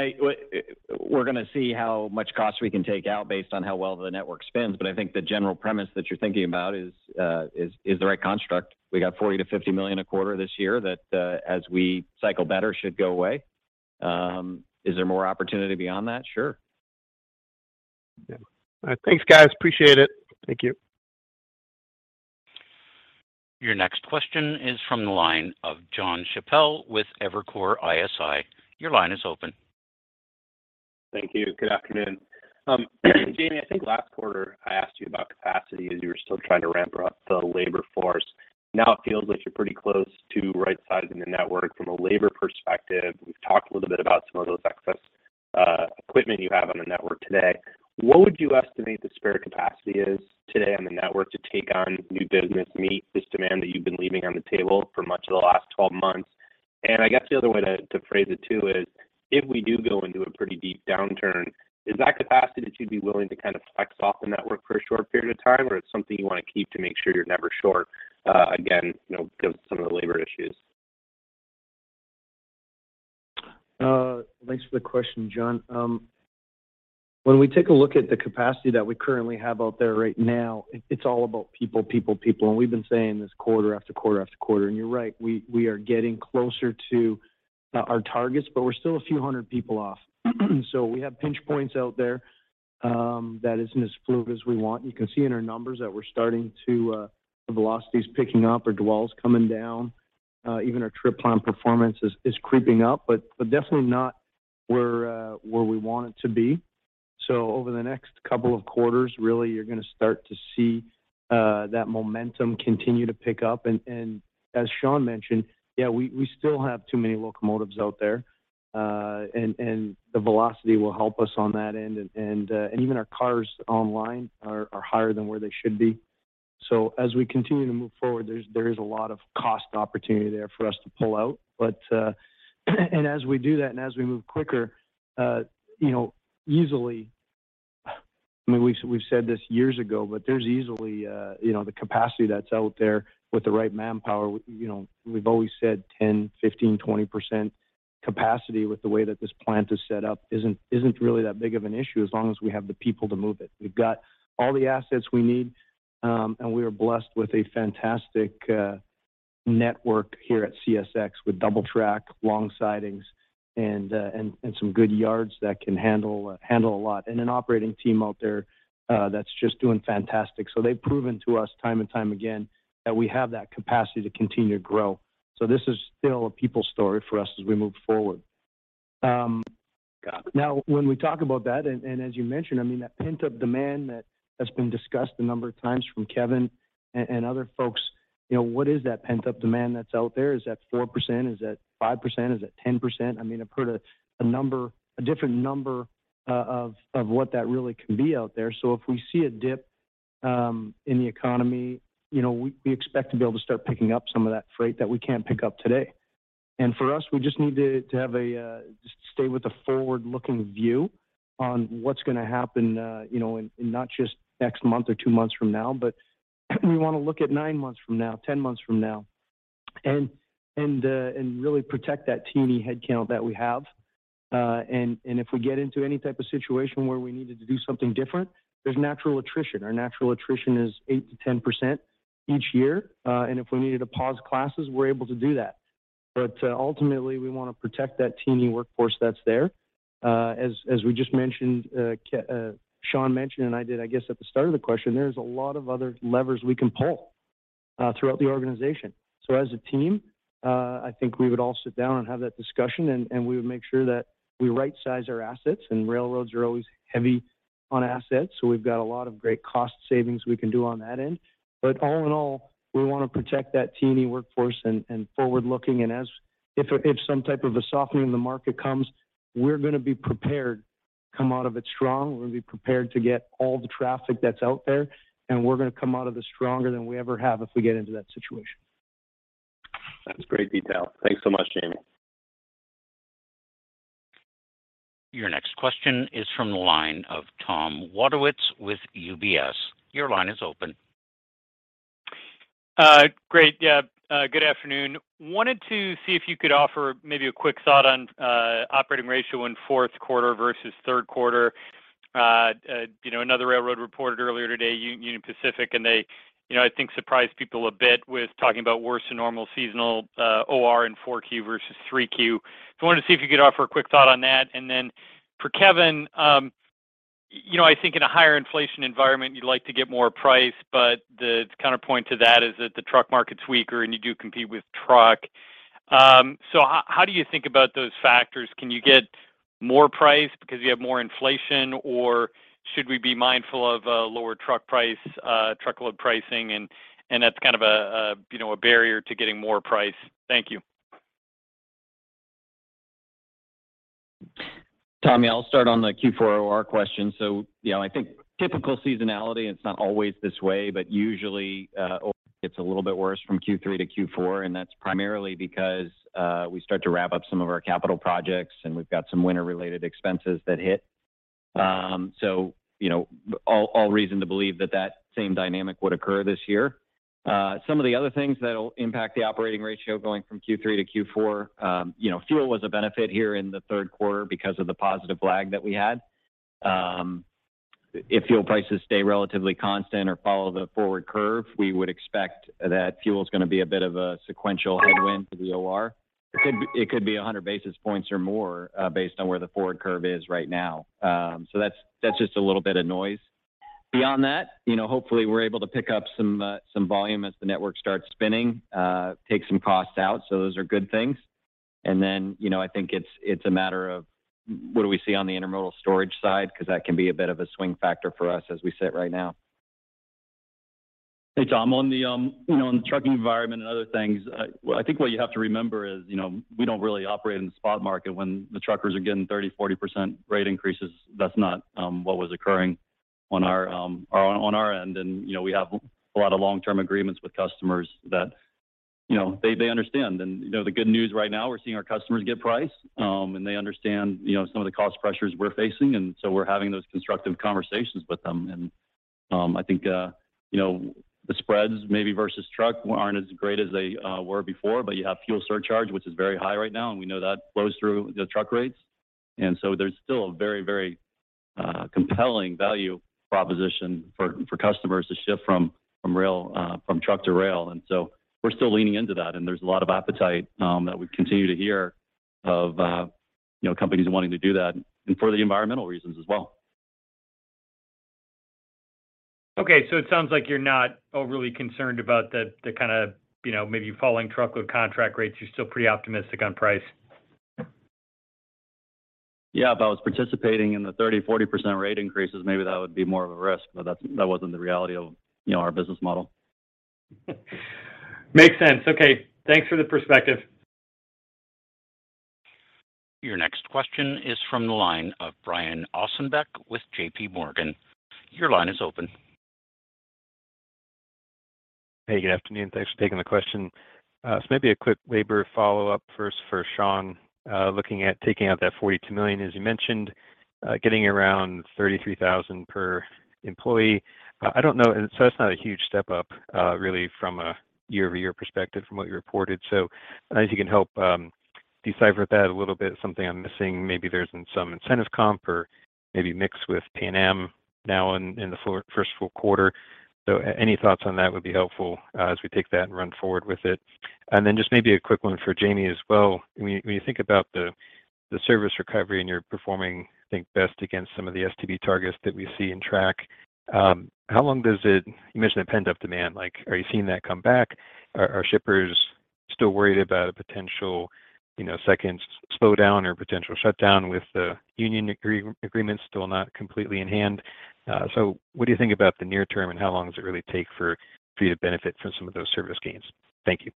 we're gonna see how much cost we can take out based on how well the network spends. I think the general premise that you're thinking about is the right construct. We got $40 million-$50 million a quarter this year that, as we cycle better, should go away. Is there more opportunity beyond that? Sure. Yeah. All right. Thanks, guys. Appreciate it. Thank you. Your next question is from the line of Jon Chappell with Evercore ISI. Your line is open. Thank you. Good afternoon. Jamie, I think last quarter I asked you about capacity as you were still trying to ramp up the labor force. Now it feels like you're pretty close to right-sizing the network from a labor perspective. We've talked a little bit about some of those excess equipment you have on the network today. What would you estimate the spare capacity is today on the network to take on new business, meet this demand that you've been leaving on the table for much of the last 12 months? I guess the other way to phrase it too is, if we do go into a pretty deep downturn, is that capacity that you'd be willing to kind of flex off the network for a short period of time, or it's something you wanna keep to make sure you're never short, again, you know, because some of the labor issues? Thanks for the question, Jon. When we take a look at the capacity that we currently have out there right now, it's all about people. We've been saying this quarter after quarter after quarter. You're right, we are getting closer to our targets, but we're still a few hundred people off. We have pinch points out there that isn't as fluid as we want. You can see in our numbers that the velocity is picking up, or dwell's coming down. Even our trip time performance is creeping up, but definitely not where we want it to be. Over the next couple of quarters, really, you're gonna start to see that momentum continue to pick up. As Sean mentioned, yeah, we still have too many locomotives out there, and even our cars online are higher than where they should be. As we continue to move forward, there is a lot of cost opportunity there for us to pull out. As we do that, as we move quicker, you know, easily. I mean, we've said this years ago, but there's easily, you know, the capacity that's out there with the right manpower. You know, we've always said 10, 15, 20% capacity with the way that this plant is set up isn't really that big of an issue as long as we have the people to move it. We've got all the assets we need, and we are blessed with a fantastic network here at CSX with double track, long sidings, and some good yards that can handle a lot. An operating team out there that's just doing fantastic. They've proven to us time and time again that we have that capacity to continue to grow. This is still a people story for us as we move forward. Now when we talk about that, and as you mentioned, I mean, that pent-up demand that has been discussed a number of times from Kevin and other folks, you know, what is that pent-up demand that's out there? Is that 4%? Is that 5%? Is it 10%? I mean, I've heard a different number of what that really can be out there. So if we see a dip in the economy, you know, we expect to be able to start picking up some of that freight that we can't pick up today. For us, we just need to stay with a forward-looking view on what's gonna happen, you know, and not just next month or 2 months from now, but we wanna look at 9 months from now, 10 months from now, and really protect that T&E headcount that we have. If we get into any type of situation where we needed to do something different, there's natural attrition. Our natural attrition is 8%-10% each year. If we needed to pause classes, we're able to do that. Ultimately, we wanna protect that teeming workforce that's there. As we just mentioned, Sean mentioned, and I did, I guess, at the start of the question, there's a lot of other levers we can pull throughout the organization. As a team, I think we would all sit down and have that discussion, and we would make sure that we right-size our assets. Railroads are always heavy on assets, so we've got a lot of great cost savings we can do on that end. All in all, we wanna protect that teeming workforce and forward-looking. If some type of a softening in the market comes, we're gonna be prepared to come out of it strong. We're gonna be prepared to get all the traffic that's out there, and we're gonna come out of this stronger than we ever have if we get into that situation. That's great detail. Thanks so much, Jamie. Your next question is from the line of Tom Wadewitz with UBS. Your line is open. Great. Yeah. Good afternoon. Wanted to see if you could offer maybe a quick thought on operating ratio in fourth quarter versus third quarter. You know, another railroad reported earlier today, Union Pacific, and they, you know, I think surprised people a bit with talking about worse than normal seasonal OR in 4Q versus 3Q. So I wanted to see if you could offer a quick thought on that. For Kevin, you know, I think in a higher inflation environment, you'd like to get more price, but the counterpoint to that is that the truck market's weaker and you do compete with truck. So how do you think about those factors? Can you get more price because you have more inflation, or should we be mindful of lower truck pricing, truckload pricing and that's kind of a you know a barrier to getting more price? Thank you. Tom Wadewitz, I'll start on the Q4 OR question. You know, I think typical seasonality, and it's not always this way, but usually, OR gets a little bit worse from Q3 to Q4, and that's primarily because we start to wrap up some of our capital projects, and we've got some winter-related expenses that hit. You know, all reason to believe that same dynamic would occur this year. Some of the other things that'll impact the operating ratio going from Q3 to Q4, you know, fuel was a benefit here in the third quarter because of the positive lag that we had. If fuel prices stay relatively constant or follow the forward curve, we would expect that fuel is gonna be a bit of a sequential headwind for the OR. It could be 100 basis points or more, based on where the forward curve is right now. That's just a little bit of noise. Beyond that, you know, hopefully we're able to pick up some volume as the network starts spinning, take some costs out, so those are good things. You know, I think it's a matter of what do we see on the intermodal storage side because that can be a bit of a swing factor for us as we sit right now. Hey, Tom. On the trucking environment and other things, well, I think what you have to remember is, you know, we don't really operate in the spot market when the truckers are getting 30-40% rate increases. That's not what was occurring on our end. You know, we have a lot of long-term agreements with customers that, you know, they understand. You know, the good news right now, we're seeing our customers get pricing, and they understand, you know, some of the cost pressures we're facing, and so we're having those constructive conversations with them. I think, you know, the spreads maybe versus truck weren't as great as they were before, but you have fuel surcharge, which is very high right now, and we know that flows through the truck rates. There's still a very compelling value proposition for customers to shift from truck to rail. We're still leaning into that, and there's a lot of appetite that we continue to hear of, you know, companies wanting to do that and for the environmental reasons as well. Okay. It sounds like you're not overly concerned about the kinda, you know, maybe falling truckload contract rates. You're still pretty optimistic on price. Yeah. If I was participating in the 30%-40% rate increases, maybe that would be more of a risk. But that wasn't the reality of, you know, our business model. Makes sense. Okay. Thanks for the perspective. Your next question is from the line of Brian Ossenbeck with JPMorgan. Your line is open. Hey, good afternoon. Thanks for taking the question. Maybe a quick labor follow-up first for Sean. Looking at taking out that $42 million, as you mentioned, getting around $33,000 per employee. I don't know. That's not a huge step up, really from a year-over-year perspective from what you reported. I don't know if you can help decipher that a little bit, something I'm missing. Maybe there's been some incentive comp or maybe mixed with P&M now in the first full quarter. Any thoughts on that would be helpful, as we take that and run forward with it. Then just maybe a quick one for Jamie as well. When you think about the service recovery and you're performing, I think, best against some of the STB targets that we see on track. You mentioned the pent-up demand. Like, are you seeing that come back? Are shippers still worried about a potential, you know, second slowdown or potential shutdown with the union agreement still not completely in hand? What do you think about the near term, and how long does it really take for you to benefit from some of those service gains? Thank you.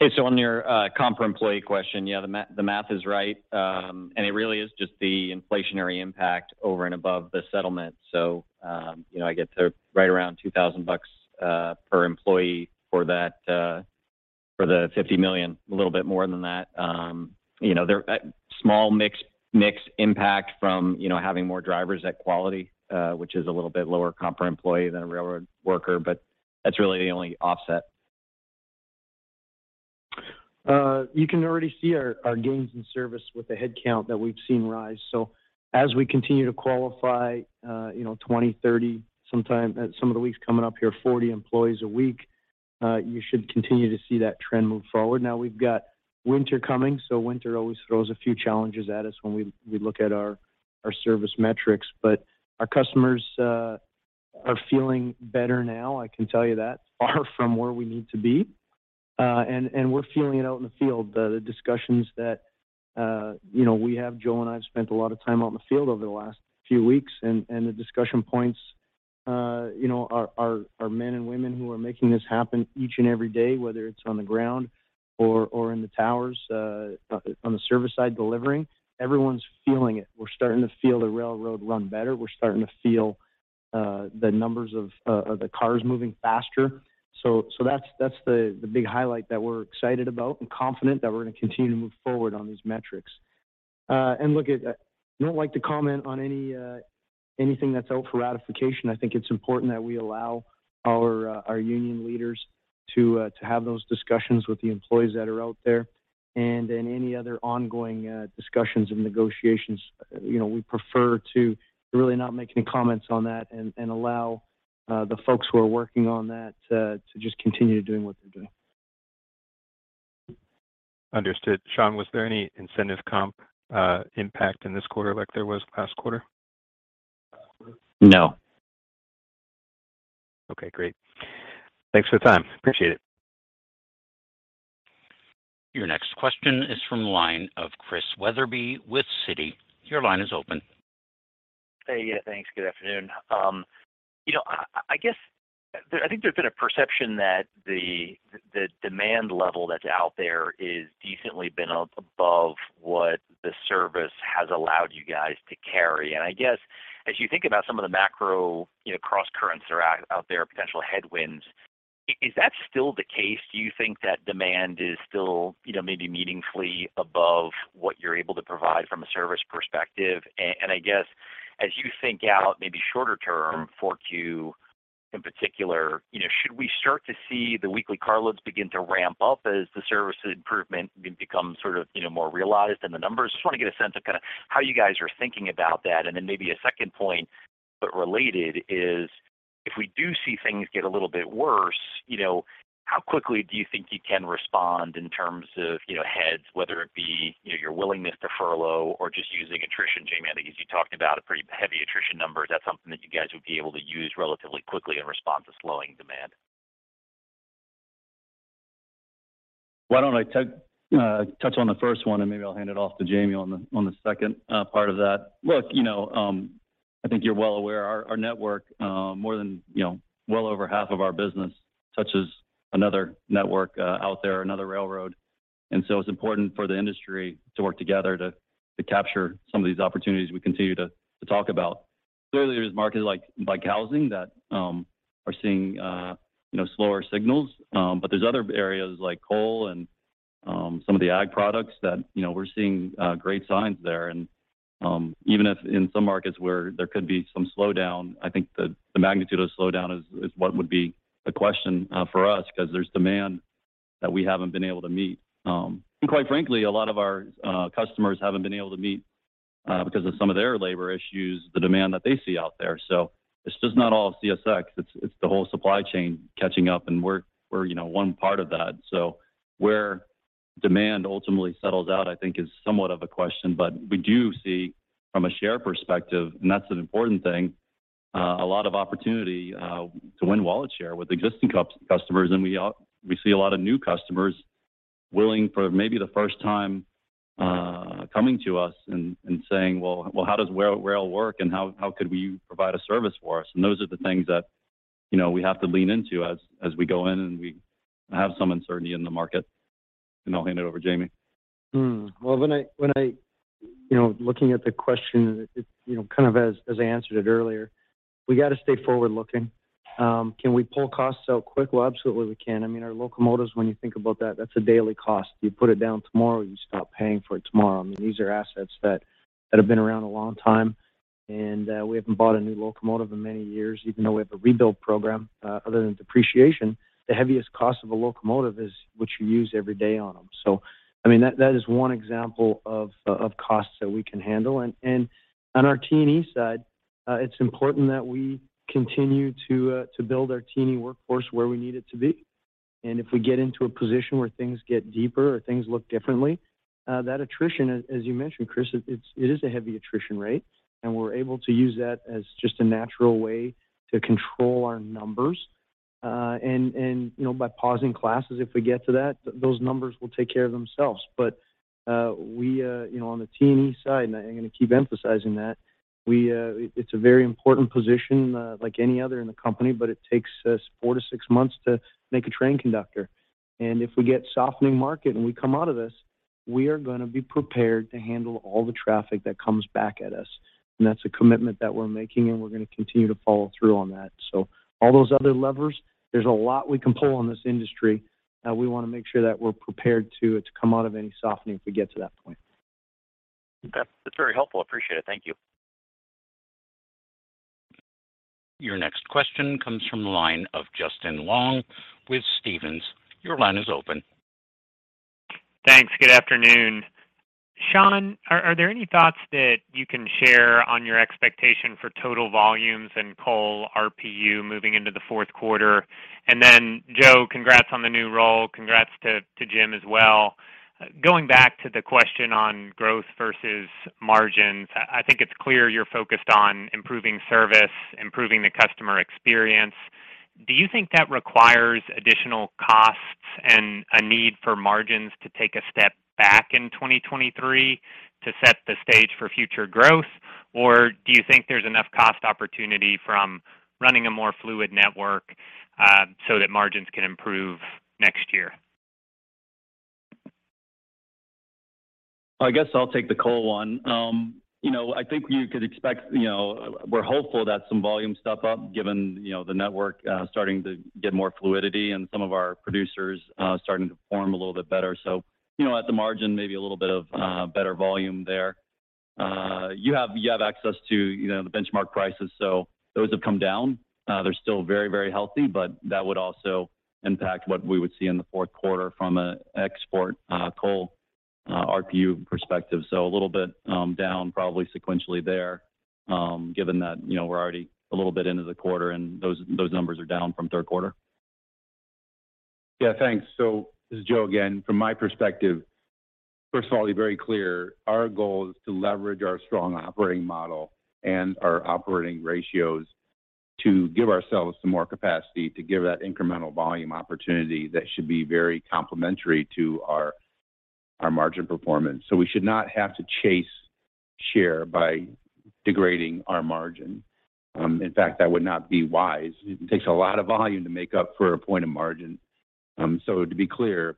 Hey, on your comp per employee question, yeah, the math is right. It really is just the inflationary impact over and above the settlement. You know, I get to right around $2,000 per employee for that for the $50 million, a little bit more than that. You know, small mix impact from, you know, having more drivers at Quality Carriers, which is a little bit lower comp per employee than a railroad worker, but that's really the only offset. You can already see our gains in service with the headcount that we've seen rise. As we continue to qualify, you know, 20, 30, sometime at some of the weeks coming up here, 40 employees a week, you should continue to see that trend move forward. Now, we've got winter coming, so winter always throws a few challenges at us when we look at our service metrics. Our customers are feeling better now, I can tell you that, far from where we need to be. We're feeling it out in the field. The discussions that you know we have Joe and I have spent a lot of time out in the field over the last few weeks and the discussion points you know our men and women who are making this happen each and every day whether it's on the ground or in the towers on the service side delivering everyone's feeling it. We're starting to feel the railroad run better. We're starting to feel the numbers of the cars moving faster. That's the big highlight that we're excited about and confident that we're gonna continue to move forward on these metrics. I don't like to comment on anything that's out for ratification. I think it's important that we allow our union leaders to have those discussions with the employees that are out there. Any other ongoing discussions and negotiations, you know, we prefer to really not make any comments on that and allow the folks who are working on that to just continue doing what they're doing. Understood. Sean, was there any incentive comp, impact in this quarter like there was last quarter? No. Okay, great. Thanks for the time. Appreciate it. Your next question is from the line of Christian Wetherbee with Citi. Your line is open. Hey. Yeah, thanks. Good afternoon. You know, I think there's been a perception that the demand level that's out there has decently been above what the service has allowed you guys to carry. I guess as you think about some of the macro, you know, crosscurrents that are out there, potential headwinds. Is that still the case? Do you think that demand is still, you know, maybe meaningfully above what you're able to provide from a service perspective? I guess as you think about maybe shorter term, 4Q in particular, you know, should we start to see the weekly carloads begin to ramp up as the service improvement becomes sort of, you know, more realized in the numbers? Just want to get a sense of kinda how you guys are thinking about that. Maybe a second point, but related, is if we do see things get a little bit worse, you know, how quickly do you think you can respond in terms of, you know, heads, whether it be, you know, your willingness to furlough or just using attrition? Jamie, I think as you talked about a pretty heavy attrition number, is that something that you guys would be able to use relatively quickly in response to slowing demand? Why don't I touch on the first one, and maybe I'll hand it off to Jamie on the second part of that. Look, you know, I think you're well aware our network, more than, you know, well over half of our business touches another network out there or another railroad. It's important for the industry to work together to capture some of these opportunities we continue to talk about. Clearly, there's markets like bike housing that are seeing you know slower signals. But there's other areas like coal and some of the ag products that you know we're seeing great signs there. Even if in some markets where there could be some slowdown, I think the magnitude of slowdown is what would be the question for us 'cause there's demand that we haven't been able to meet. Quite frankly, a lot of our customers haven't been able to meet because of some of their labor issues, the demand that they see out there. It's just not all CSX. It's the whole supply chain catching up, and we're, you know, 1 part of that. Where demand ultimately settles out, I think is somewhat of a question. We do see from a share perspective, and that's an important thing, a lot of opportunity to win wallet share with existing customers. We see a lot of new customers willing, for maybe the first time, coming to us and saying, "Well, how does rail work and how could we provide a service for us?" Those are the things that, you know, we have to lean into as we go in and we have some uncertainty in the market. I'll hand it over, Jamie. Well, when I... You know, looking at the question, it, you know, kind of as I answered it earlier, we got to stay forward-looking. Can we pull costs out quick? Well, absolutely we can. I mean, our locomotives, when you think about that's a daily cost. You put it down tomorrow, you stop paying for it tomorrow. I mean, these are assets that have been around a long time, and we haven't bought a new locomotive in many years even though we have a rebuild program. Other than depreciation, the heaviest cost of a locomotive is what you use every day on them. So I mean, that is 1 example of costs that we can handle. On our T&E side, it's important that we continue to build our T&E workforce where we need it to be. If we get into a position where things get deeper or things look differently, that attrition, as you mentioned, Chris, it is a heavy attrition rate, and we're able to use that as just a natural way to control our numbers. You know, by pausing classes, if we get to that, those numbers will take care of themselves. You know, on the T&E side, and I'm gonna keep emphasizing that, it's a very important position, like any other in the company, but it takes us 4-6 months to make a train conductor. If we get softening market, and we come out of this, we are gonna be prepared to handle all the traffic that comes back at us. That's a commitment that we're making, and we're gonna continue to follow through on that. All those other levers, there's a lot we can pull on this industry. We wanna make sure that we're prepared to come out of any softening if we get to that point. That's very helpful. Appreciate it. Thank you. Your next question comes from the line of Justin Long with Stephens. Your line is open. Thanks. Good afternoon. Sean, are there any thoughts that you can share on your expectation for total volumes and coal RPU moving into the fourth quarter? Joe, congrats on the new role. Congrats to Jim as well. Going back to the question on growth versus margins, I think it's clear you're focused on improving service, improving the customer experience. Do you think that requires additional costs and a need for margins to take a step back in 2023 to set the stage for future growth? Or do you think there's enough cost opportunity from running a more fluid network, so that margins can improve next year? I guess I'll take the coal one. You know, I think you could expect. You know, we're hopeful that some volume step up, given, you know, the network starting to get more fluidity and some of our producers starting to perform a little bit better. You know, at the margin, maybe a little bit of better volume there. You have access to, you know, the benchmark prices, so those have come down. They're still very, very healthy, but that would also impact what we would see in the fourth quarter from an export coal RPU perspective. A little bit down probably sequentially there, given that, you know, we're already a little bit into the quarter, and those numbers are down from third quarter. Yeah. Thanks. This is Joe again. From my perspective, first of all, to be very clear, our goal is to leverage our strong operating model and our operating ratios to give ourselves some more capacity to give that incremental volume opportunity that should be very complementary to our margin performance. We should not have to chase share by degrading our margin. In fact, that would not be wise. It takes a lot of volume to make up for a point of margin. To be clear,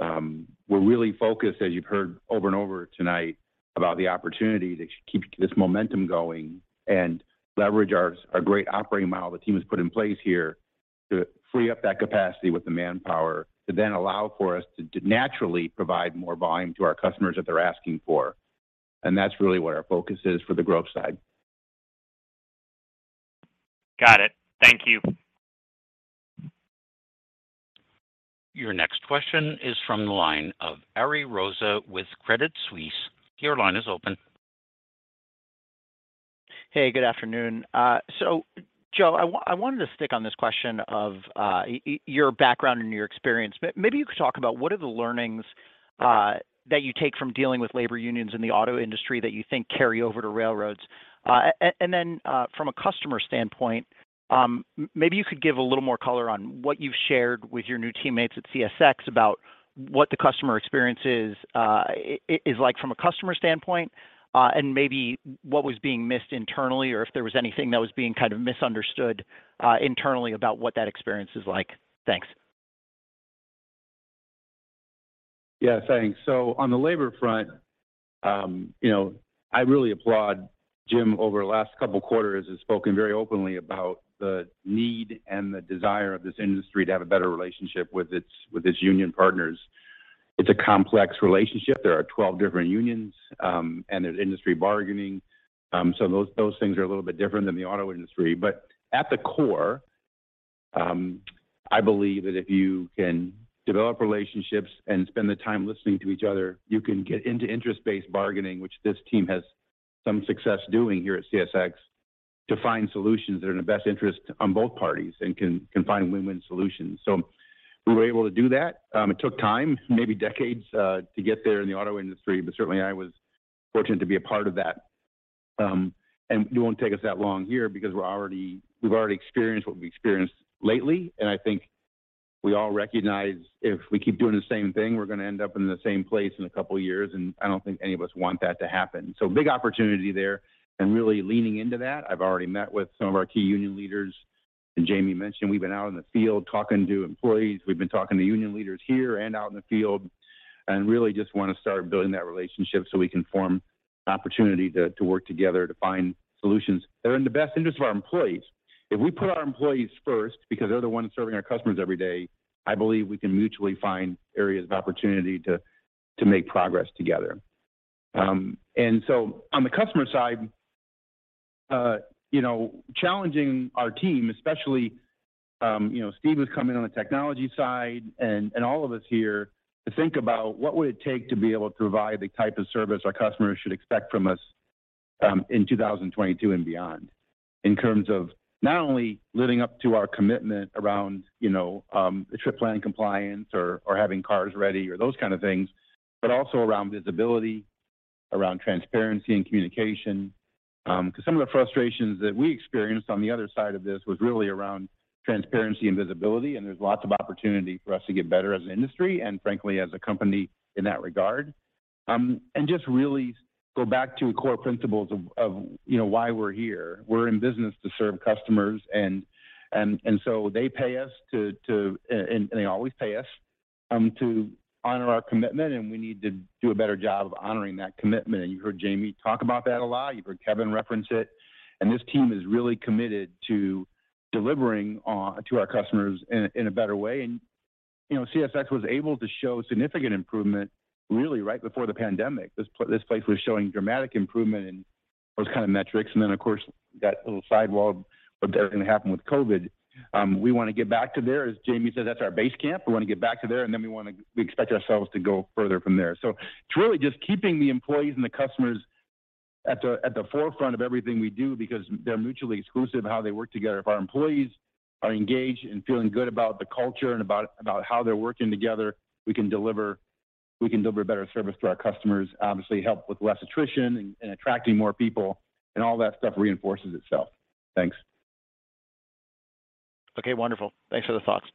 we're really focused, as you've heard over and over tonight, about the opportunity to keep this momentum going and leverage our great operating model the team has put in place here to free up that capacity with the manpower to then allow for us to naturally provide more volume to our customers that they're asking for, and that's really what our focus is for the growth side. Got it. Thank you. Your next question is from the line of Ariel Rosa with Credit Suisse. Your line is open. Hey, good afternoon. Joe, I wanted to stick on this question of your background and your experience. Maybe you could talk about what are the learnings that you take from dealing with labor unions in the auto industry that you think carry over to railroads? From a customer standpoint, maybe you could give a little more color on what you've shared with your new teammates at CSX about what the customer experience is like from a customer standpoint, and maybe what was being missed internally or if there was anything that was being kind of misunderstood internally about what that experience is like. Thanks. Yeah, thanks. On the labor front, you know, I really applaud Jim over the last couple of quarters has spoken very openly about the need and the desire of this industry to have a better relationship with its union partners. It's a complex relationship. There are 12 different unions, and there's industry bargaining. Those things are a little bit different than the auto industry. But at the core, I believe that if you can develop relationships and spend the time listening to each other, you can get into interest-based bargaining, which this team has some success doing here at CSX, to find solutions that are in the best interest on both parties and can find win-win solutions. We were able to do that. It took time, maybe decades, to get there in the auto industry, but certainly I was fortunate to be a part of that. It won't take us that long here because we've already experienced what we've experienced lately, and I think we all recognize if we keep doing the same thing, we're gonna end up in the same place in a couple of years, and I don't think any of us want that to happen. Big opportunity there and really leaning into that. I've already met with some of our key union leaders, and Jamie mentioned we've been out in the field talking to employees. We've been talking to union leaders here and out in the field and really just wanna start building that relationship so we can form an opportunity to work together to find solutions that are in the best interest of our employees. If we put our employees first because they're the ones serving our customers every day, I believe we can mutually find areas of opportunity to make progress together. On the customer side, you know, challenging our team, especially, you know, Steve was coming on the technology side and all of us here to think about what would it take to be able to provide the type of service our customers should expect from us, in 2022 and beyond. In terms of not only living up to our commitment around the trip plan compliance or having cars ready or those kind of things, but also around visibility, around transparency and communication. Because some of the frustrations that we experienced on the other side of this was really around transparency and visibility, and there's lots of opportunity for us to get better as an industry and frankly, as a company in that regard. Just really go back to core principles of why we're here. We're in business to serve customers and so they pay us, and they always pay us to honor our commitment, and we need to do a better job of honoring that commitment. You heard Jamie talk about that a lot. You've heard Kevin reference it, and this team is really committed to delivering to our customers in a better way. You know, CSX was able to show significant improvement really right before the pandemic. This place was showing dramatic improvement in those kind of metrics. Of course, that little sidebar of everything that happened with COVID. We wanna get back to there. As Jamie said, that's our base camp. We wanna get back to there, and then we expect ourselves to go further from there. It's really just keeping the employees and the customers at the forefront of everything we do because they're mutually inclusive how they work together. If our employees are engaged and feeling good about the culture and about how they're working together, we can deliver better service to our customers, obviously help with less attrition and attracting more people, and all that stuff reinforces itself. Thanks. Okay, wonderful. Thanks for the thoughts.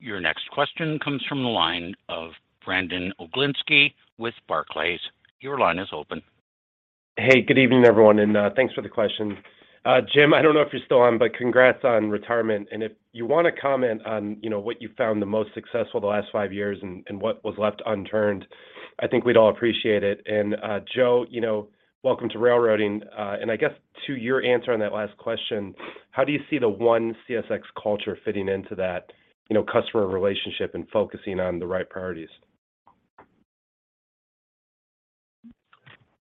Your next question comes from the line of Brandon Oglenski with Barclays. Your line is open. Hey, good evening, everyone, and thanks for the question. Jim, I don't know if you're still on, but congrats on retirement. If you wanna comment on, you know, what you found the most successful the last 5 years and what was left unturned, I think we'd all appreciate it. Joe, you know, welcome to railroading. To your answer on that last question, I guess how do you see the One CSX culture fitting into that, you know, customer relationship and focusing on the right priorities?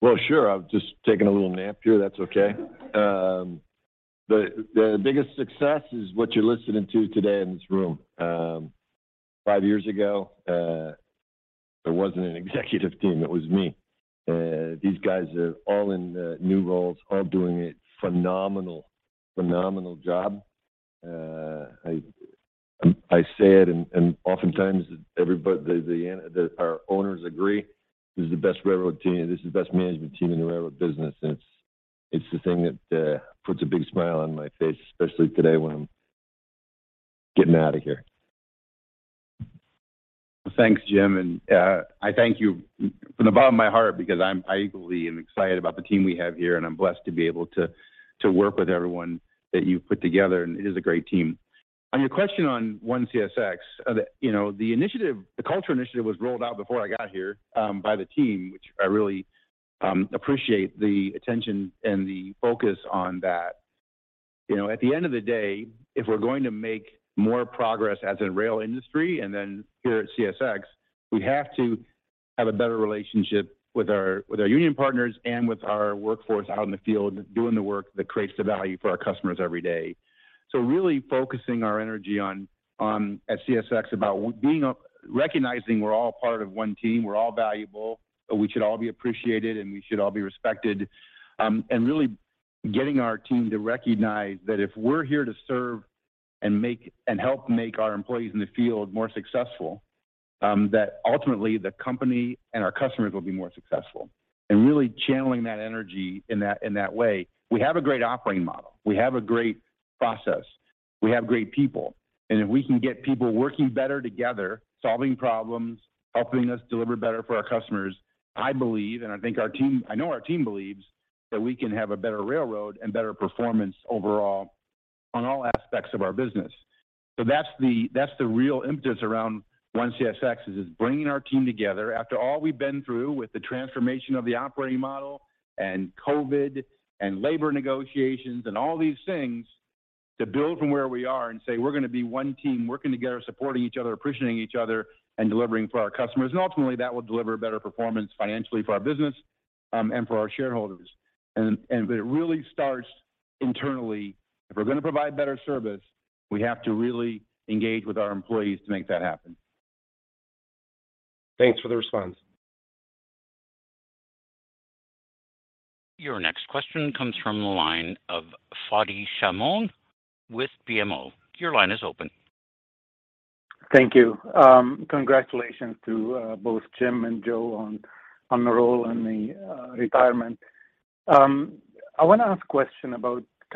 Well, sure. I've just taken a little nap here. That's okay. The biggest success is what you're listening to today in this room. 5 years ago, there wasn't an executive team. It was me. These guys are all in new roles, all doing a phenomenal job. I say it and oftentimes everybody, our owners, agree this is the best railroad team. This is the best management team in the railroad business. It's the thing that puts a big smile on my face, especially today when I'm getting out of here. Thanks, Jim. I thank you from the bottom of my heart because I equally am excited about the team we have here, and I'm blessed to be able to work with everyone that you've put together, and it is a great team. On your question on One CSX, the culture initiative was rolled out before I got here by the team, which I really appreciate the attention and the focus on that. You know, at the end of the day, if we're going to make more progress as a rail industry and then here at CSX, we have to have a better relationship with our union partners and with our workforce out in the field doing the work that creates the value for our customers every day. Really focusing our energy at CSX about recognizing we're all part of 1 team, we're all valuable, but we should all be appreciated, and we should all be respected. Really getting our team to recognize that if we're here to serve and help make our employees in the field more successful, that ultimately the company and our customers will be more successful. Really channeling that energy in that way. We have a great operating model. We have a great process. We have great people. If we can get people working better together, solving problems, helping us deliver better for our customers, I believe, I know our team believes that we can have a better railroad and better performance overall on all aspects of our business. That's the real impetus around One CSX is bringing our team together after all we've been through with the transformation of the operating model and COVID and labor negotiations and all these things, to build from where we are and say, "We're gonna be 1 team working together, supporting each other, appreciating each other, and delivering for our customers." Ultimately, that will deliver better performance financially for our business and for our shareholders. It really starts internally. If we're gonna provide better service, we have to really engage with our employees to make that happen. Thanks for the response. Your next question comes from the line of Fadi Chamoun with BMO. Your line is open. Thank you. Congratulations to both Jim and Joe on the role and the retirement. I wanna ask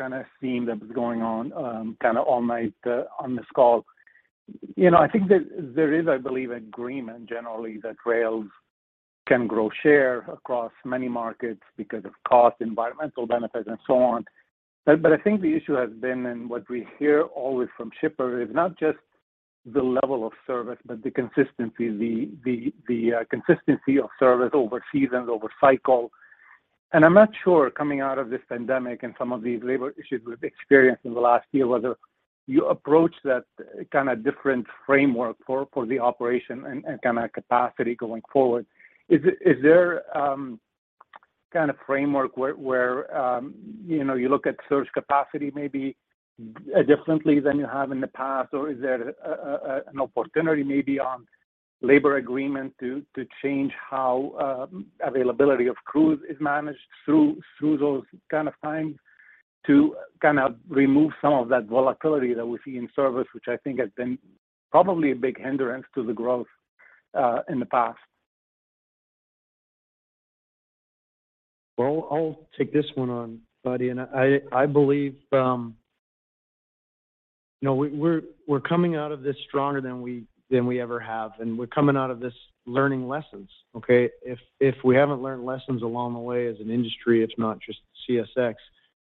a question about kinda a theme that was going on, kinda all night, on this call. You know, I think that there is, I believe, agreement generally that rails can grow share across many markets because of cost, environmental benefits, and so on. I think the issue has been, and what we hear always from shippers, is not just the level of service, but the consistency. The consistency of service over seasons, over cycle. I'm not sure, coming out of this pandemic and some of these labor issues we've experienced in the last year, whether you approach that kinda different framework for the operation and kinda capacity going forward. Is there kinda framework where you know you look at service capacity maybe differently than you have in the past? Or is there an opportunity maybe on labor agreement to change how availability of crews is managed through those kind of times to kinda remove some of that volatility that we see in service, which I think has been probably a big hindrance to the growth in the past? Well, I'll take this one on, Fadi. I believe, you know, we're coming out of this stronger than we ever have, and we're coming out of this learning lessons, okay? If we haven't learned lessons along the way as an industry, it's not just CSX,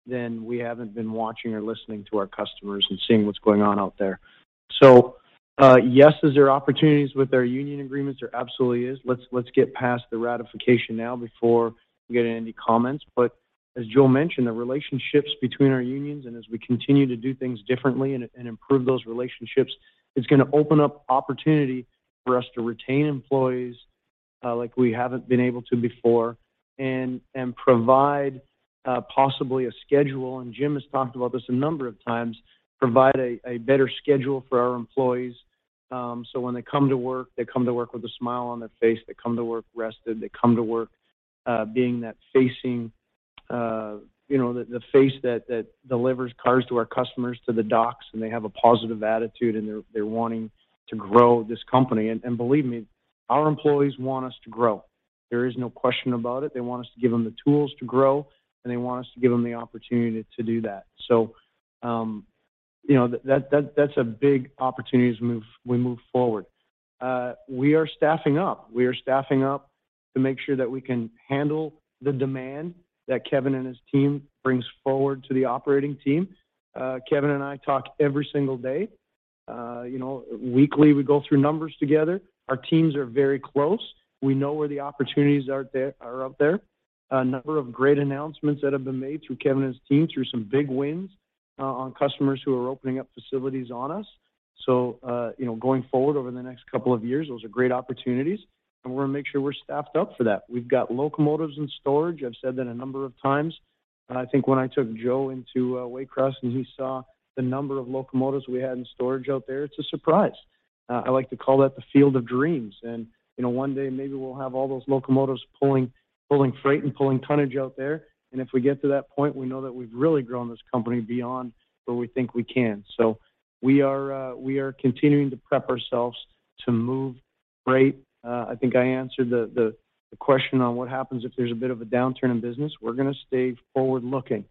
then we haven't been watching or listening to our customers and seeing what's going on out there. Yes. Is there opportunities with our union agreements? There absolutely is. Let's get past the ratification now before we get into any comments. As Joe mentioned, the relationships between our unions and as we continue to do things differently and improve those relationships, it's gonna open up opportunity for us to retain employees like we haven't been able to before, and provide possibly a schedule. Jim has talked about this a number of times, provide a better schedule for our employees, so when they come to work, they come to work with a smile on their face. They come to work rested. They come to work being the face, you know, the face that delivers cars to our customers, to the docks, and they have a positive attitude, and they're wanting to grow this company. Believe me, our employees want us to grow. There is no question about it. They want us to give them the tools to grow, and they want us to give them the opportunity to do that. You know, that's a big opportunity as we move forward. We are staffing up. We are staffing up to make sure that we can handle the demand that Kevin and his team brings forward to the operating team. Kevin and I talk every single day. You know, weekly, we go through numbers together. Our teams are very close. We know where the opportunities are out there. A number of great announcements that have been made through Kevin and his team through some big wins on customers who are opening up facilities on us. So, you know, going forward over the next couple of years, those are great opportunities, and we're gonna make sure we're staffed up for that. We've got locomotives in storage. I've said that a number of times. I think when I took Joe into Waycross and he saw the number of locomotives we had in storage out there, it's a surprise. I like to call that the field of dreams. You know, 1 day maybe we'll have all those locomotives pulling freight and pulling tonnage out there. If we get to that point, we know that we've really grown this company beyond where we think we can. We are continuing to prep ourselves to move freight. I think I answered the question on what happens if there's a bit of a downturn in business. We're gonna stay forward-looking.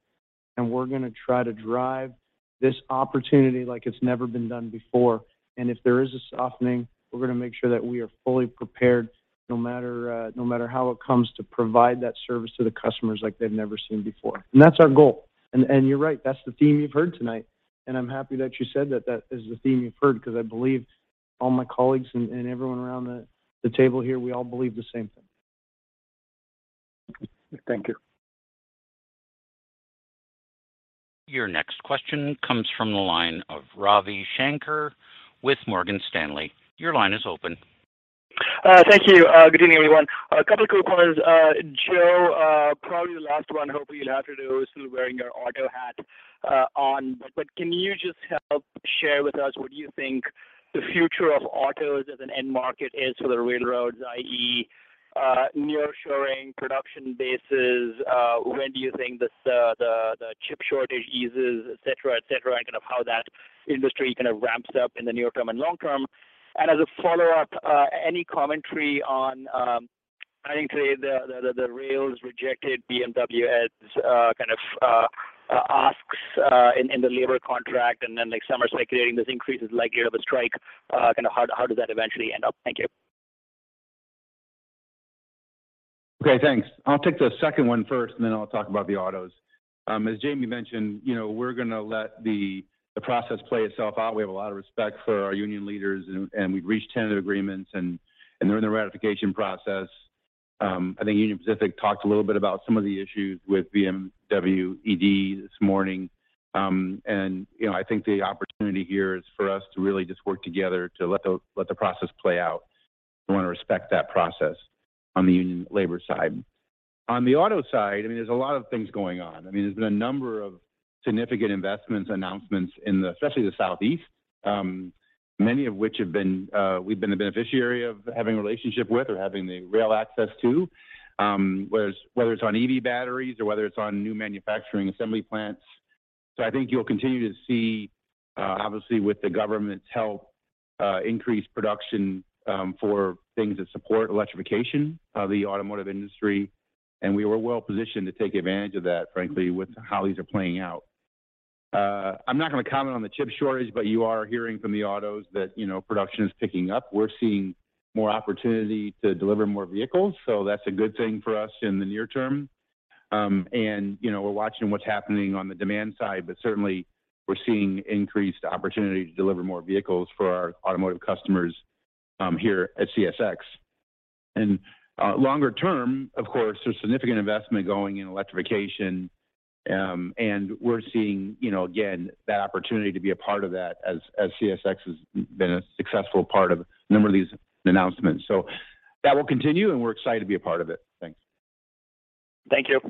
We're gonna try to drive this opportunity like it's never been done before. If there is a softening, we're gonna make sure that we are fully prepared, no matter how it comes, to provide that service to the customers like they've never seen before. That's our goal. You're right, that's the theme you've heard tonight, and I'm happy that you said that that is the theme you've heard because I believe all my colleagues and everyone around the table here, we all believe the same thing. Thank you. Your next question comes from the line of Ravi Shanker with Morgan Stanley. Your line is open. Thank you. Good evening, everyone. A couple quick ones. Joe, probably the last one, hopefully you'll have to do is wearing your auto hat on, but can you just help share with us what you think the future of autos as an end market is for the railroads, i.e., nearshoring production bases? When do you think the chip shortage eases, et cetera, et cetera, and kind of how that industry kind of ramps up in the near term and long term? As a follow-up, any commentary on, I think today the rails rejected BMWED's kind of asks in the labor contract, and then next summer's circulating this increases likelihood of a strike. Kind of how does that eventually end up? Thank you. Okay, thanks. I'll take the second one first, and then I'll talk about the autos. As Jamie mentioned, you know, we're gonna let the process play itself out. We have a lot of respect for our union leaders and we've reached tentative agreements and they're in the ratification process. I think Union Pacific talked a little bit about some of the issues with BMWED this morning. You know, I think the opportunity here is for us to really just work together to let the process play out. We want to respect that process on the union labor side. On the auto side, I mean, there's a lot of things going on. I mean, there's been a number of significant investments, announcements, especially in the Southeast, many of which have been, we've been the beneficiary of having relationship with or having the rail access to, whether it's on EV batteries or whether it's on new manufacturing assembly plants. I think you'll continue to see, obviously with the government's help, increase production for things that support electrification of the automotive industry, and we are well positioned to take advantage of that, frankly, with how these are playing out. I'm not gonna comment on the chip shortage, but you are hearing from the autos that, you know, production is picking up. We're seeing more opportunity to deliver more vehicles, so that's a good thing for us in the near term. You know, we're watching what's happening on the demand side, but certainly we're seeing increased opportunity to deliver more vehicles for our automotive customers here at CSX. Longer term, of course, there's significant investment going in electrification, and we're seeing, you know, again, that opportunity to be a part of that as CSX has been a successful part of a number of these announcements. That will continue, and we're excited to be a part of it. Thanks. Thank you.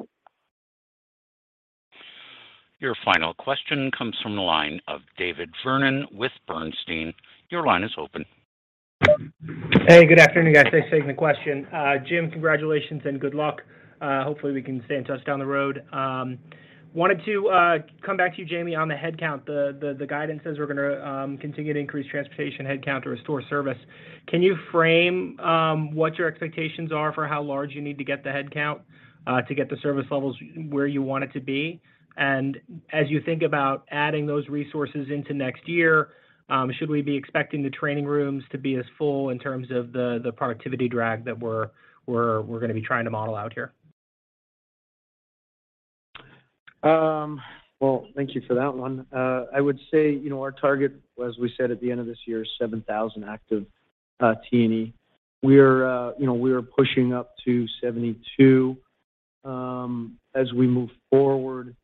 Your final question comes from the line of David Vernon with Bernstein. Your line is open. Hey, good afternoon, guys. Thanks for taking the question. Jim, congratulations and good luck. Hopefully, we can stay in touch down the road. Wanted to come back to you, Jamie, on the headcount. The guidance says we're gonna continue to increase transportation headcount to restore service. Can you frame what your expectations are for how large you need to get the headcount to get the service levels where you want it to be? As you think about adding those resources into next year, should we be expecting the training rooms to be as full in terms of the productivity drag that we're gonna be trying to model out here? Well, thank you for that one. I would say, you know, our target, as we said at the end of this year, is 7,000 active T&E. We're, you know, we are pushing up to 72, as we move forward.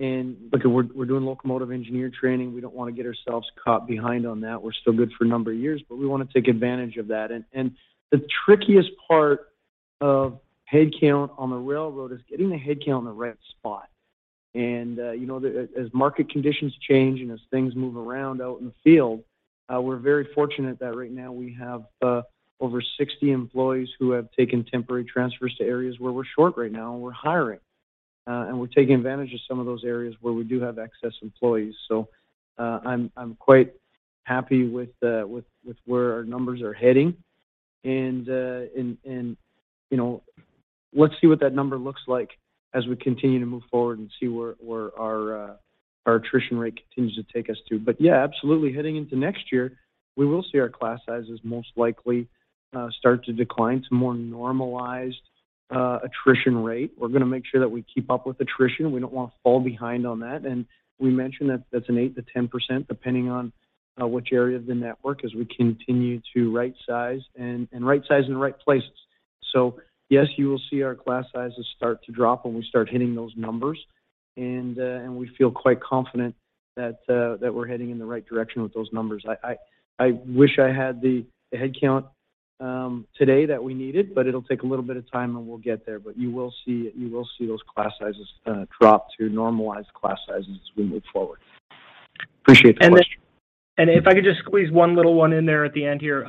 Look, we're doing locomotive engineer training. We don't wanna get ourselves caught behind on that. We're still good for a number of years, but we wanna take advantage of that and the trickiest part of headcount on the railroad is getting the headcount in the right spot. You know, as market conditions change and as things move around out in the field, we're very fortunate that right now we have over 60 employees who have taken temporary transfers to areas where we're short right now, and we're hiring, and we're taking advantage of some of those areas where we do have excess employees. I'm quite happy with where our numbers are heading and you know, let's see what that number looks like as we continue to move forward and see where our attrition rate continues to take us to. Yeah, absolutely, heading into next year, we will see our class sizes most likely start to decline to more normalized attrition rate. We're gonna make sure that we keep up with attrition. We don't want to fall behind on that. We mentioned that that's 8%-10% depending on which area of the network as we continue to right size in the right places. Yes, you will see our class sizes start to drop when we start hitting those numbers and we feel quite confident that we're heading in the right direction with those numbers. I wish I had the headcount today that we needed, but it'll take a little bit of time, and we'll get there. You will see those class sizes drop to normalized class sizes as we move forward. Appreciate the question. If I could just squeeze one little one in there at the end here.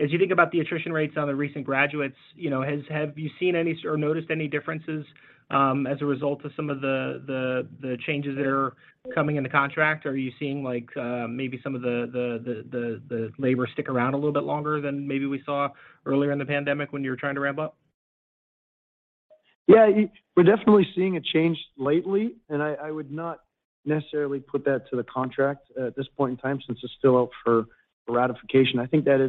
As you think about the attrition rates on the recent graduates, you know, have you seen any or noticed any differences as a result of some of the changes that are coming in the contract? Are you seeing like maybe some of the labor stick around a little bit longer than maybe we saw earlier in the pandemic when you were trying to ramp up? Yeah, we're definitely seeing a change lately, and I would not necessarily put that to the contract at this point in time since it's still out for ratification. I think that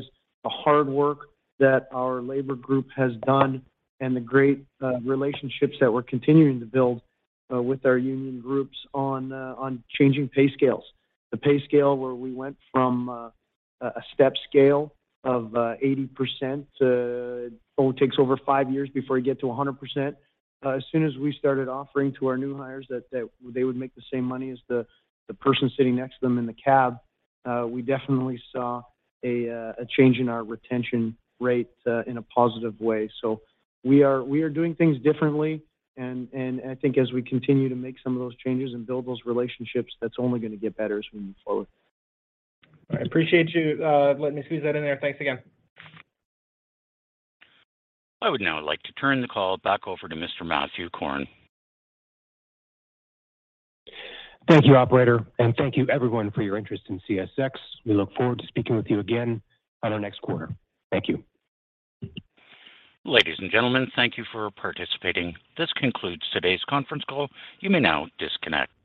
is the hard work that our labor group has done and the great relationships that we're continuing to build with our union groups on changing pay scales. The pay scale where we went from a step scale of 80%, it takes over 5 years before you get to 100%. As soon as we started offering to our new hires that they would make the same money as the person sitting next to them in the cab, we definitely saw a change in our retention rate in a positive way. We are doing things differently and I think as we continue to make some of those changes and build those relationships, that's only gonna get better as we move forward. I appreciate you, letting me squeeze that in there. Thanks again. I would now like to turn the call back over to Mr. Matthew Korn. Thank you, operator, and thank you everyone for your interest in CSX. We look forward to speaking with you again on our next quarter. Thank you. Ladies and gentlemen, thank you for participating. This concludes today's conference call. You may now disconnect.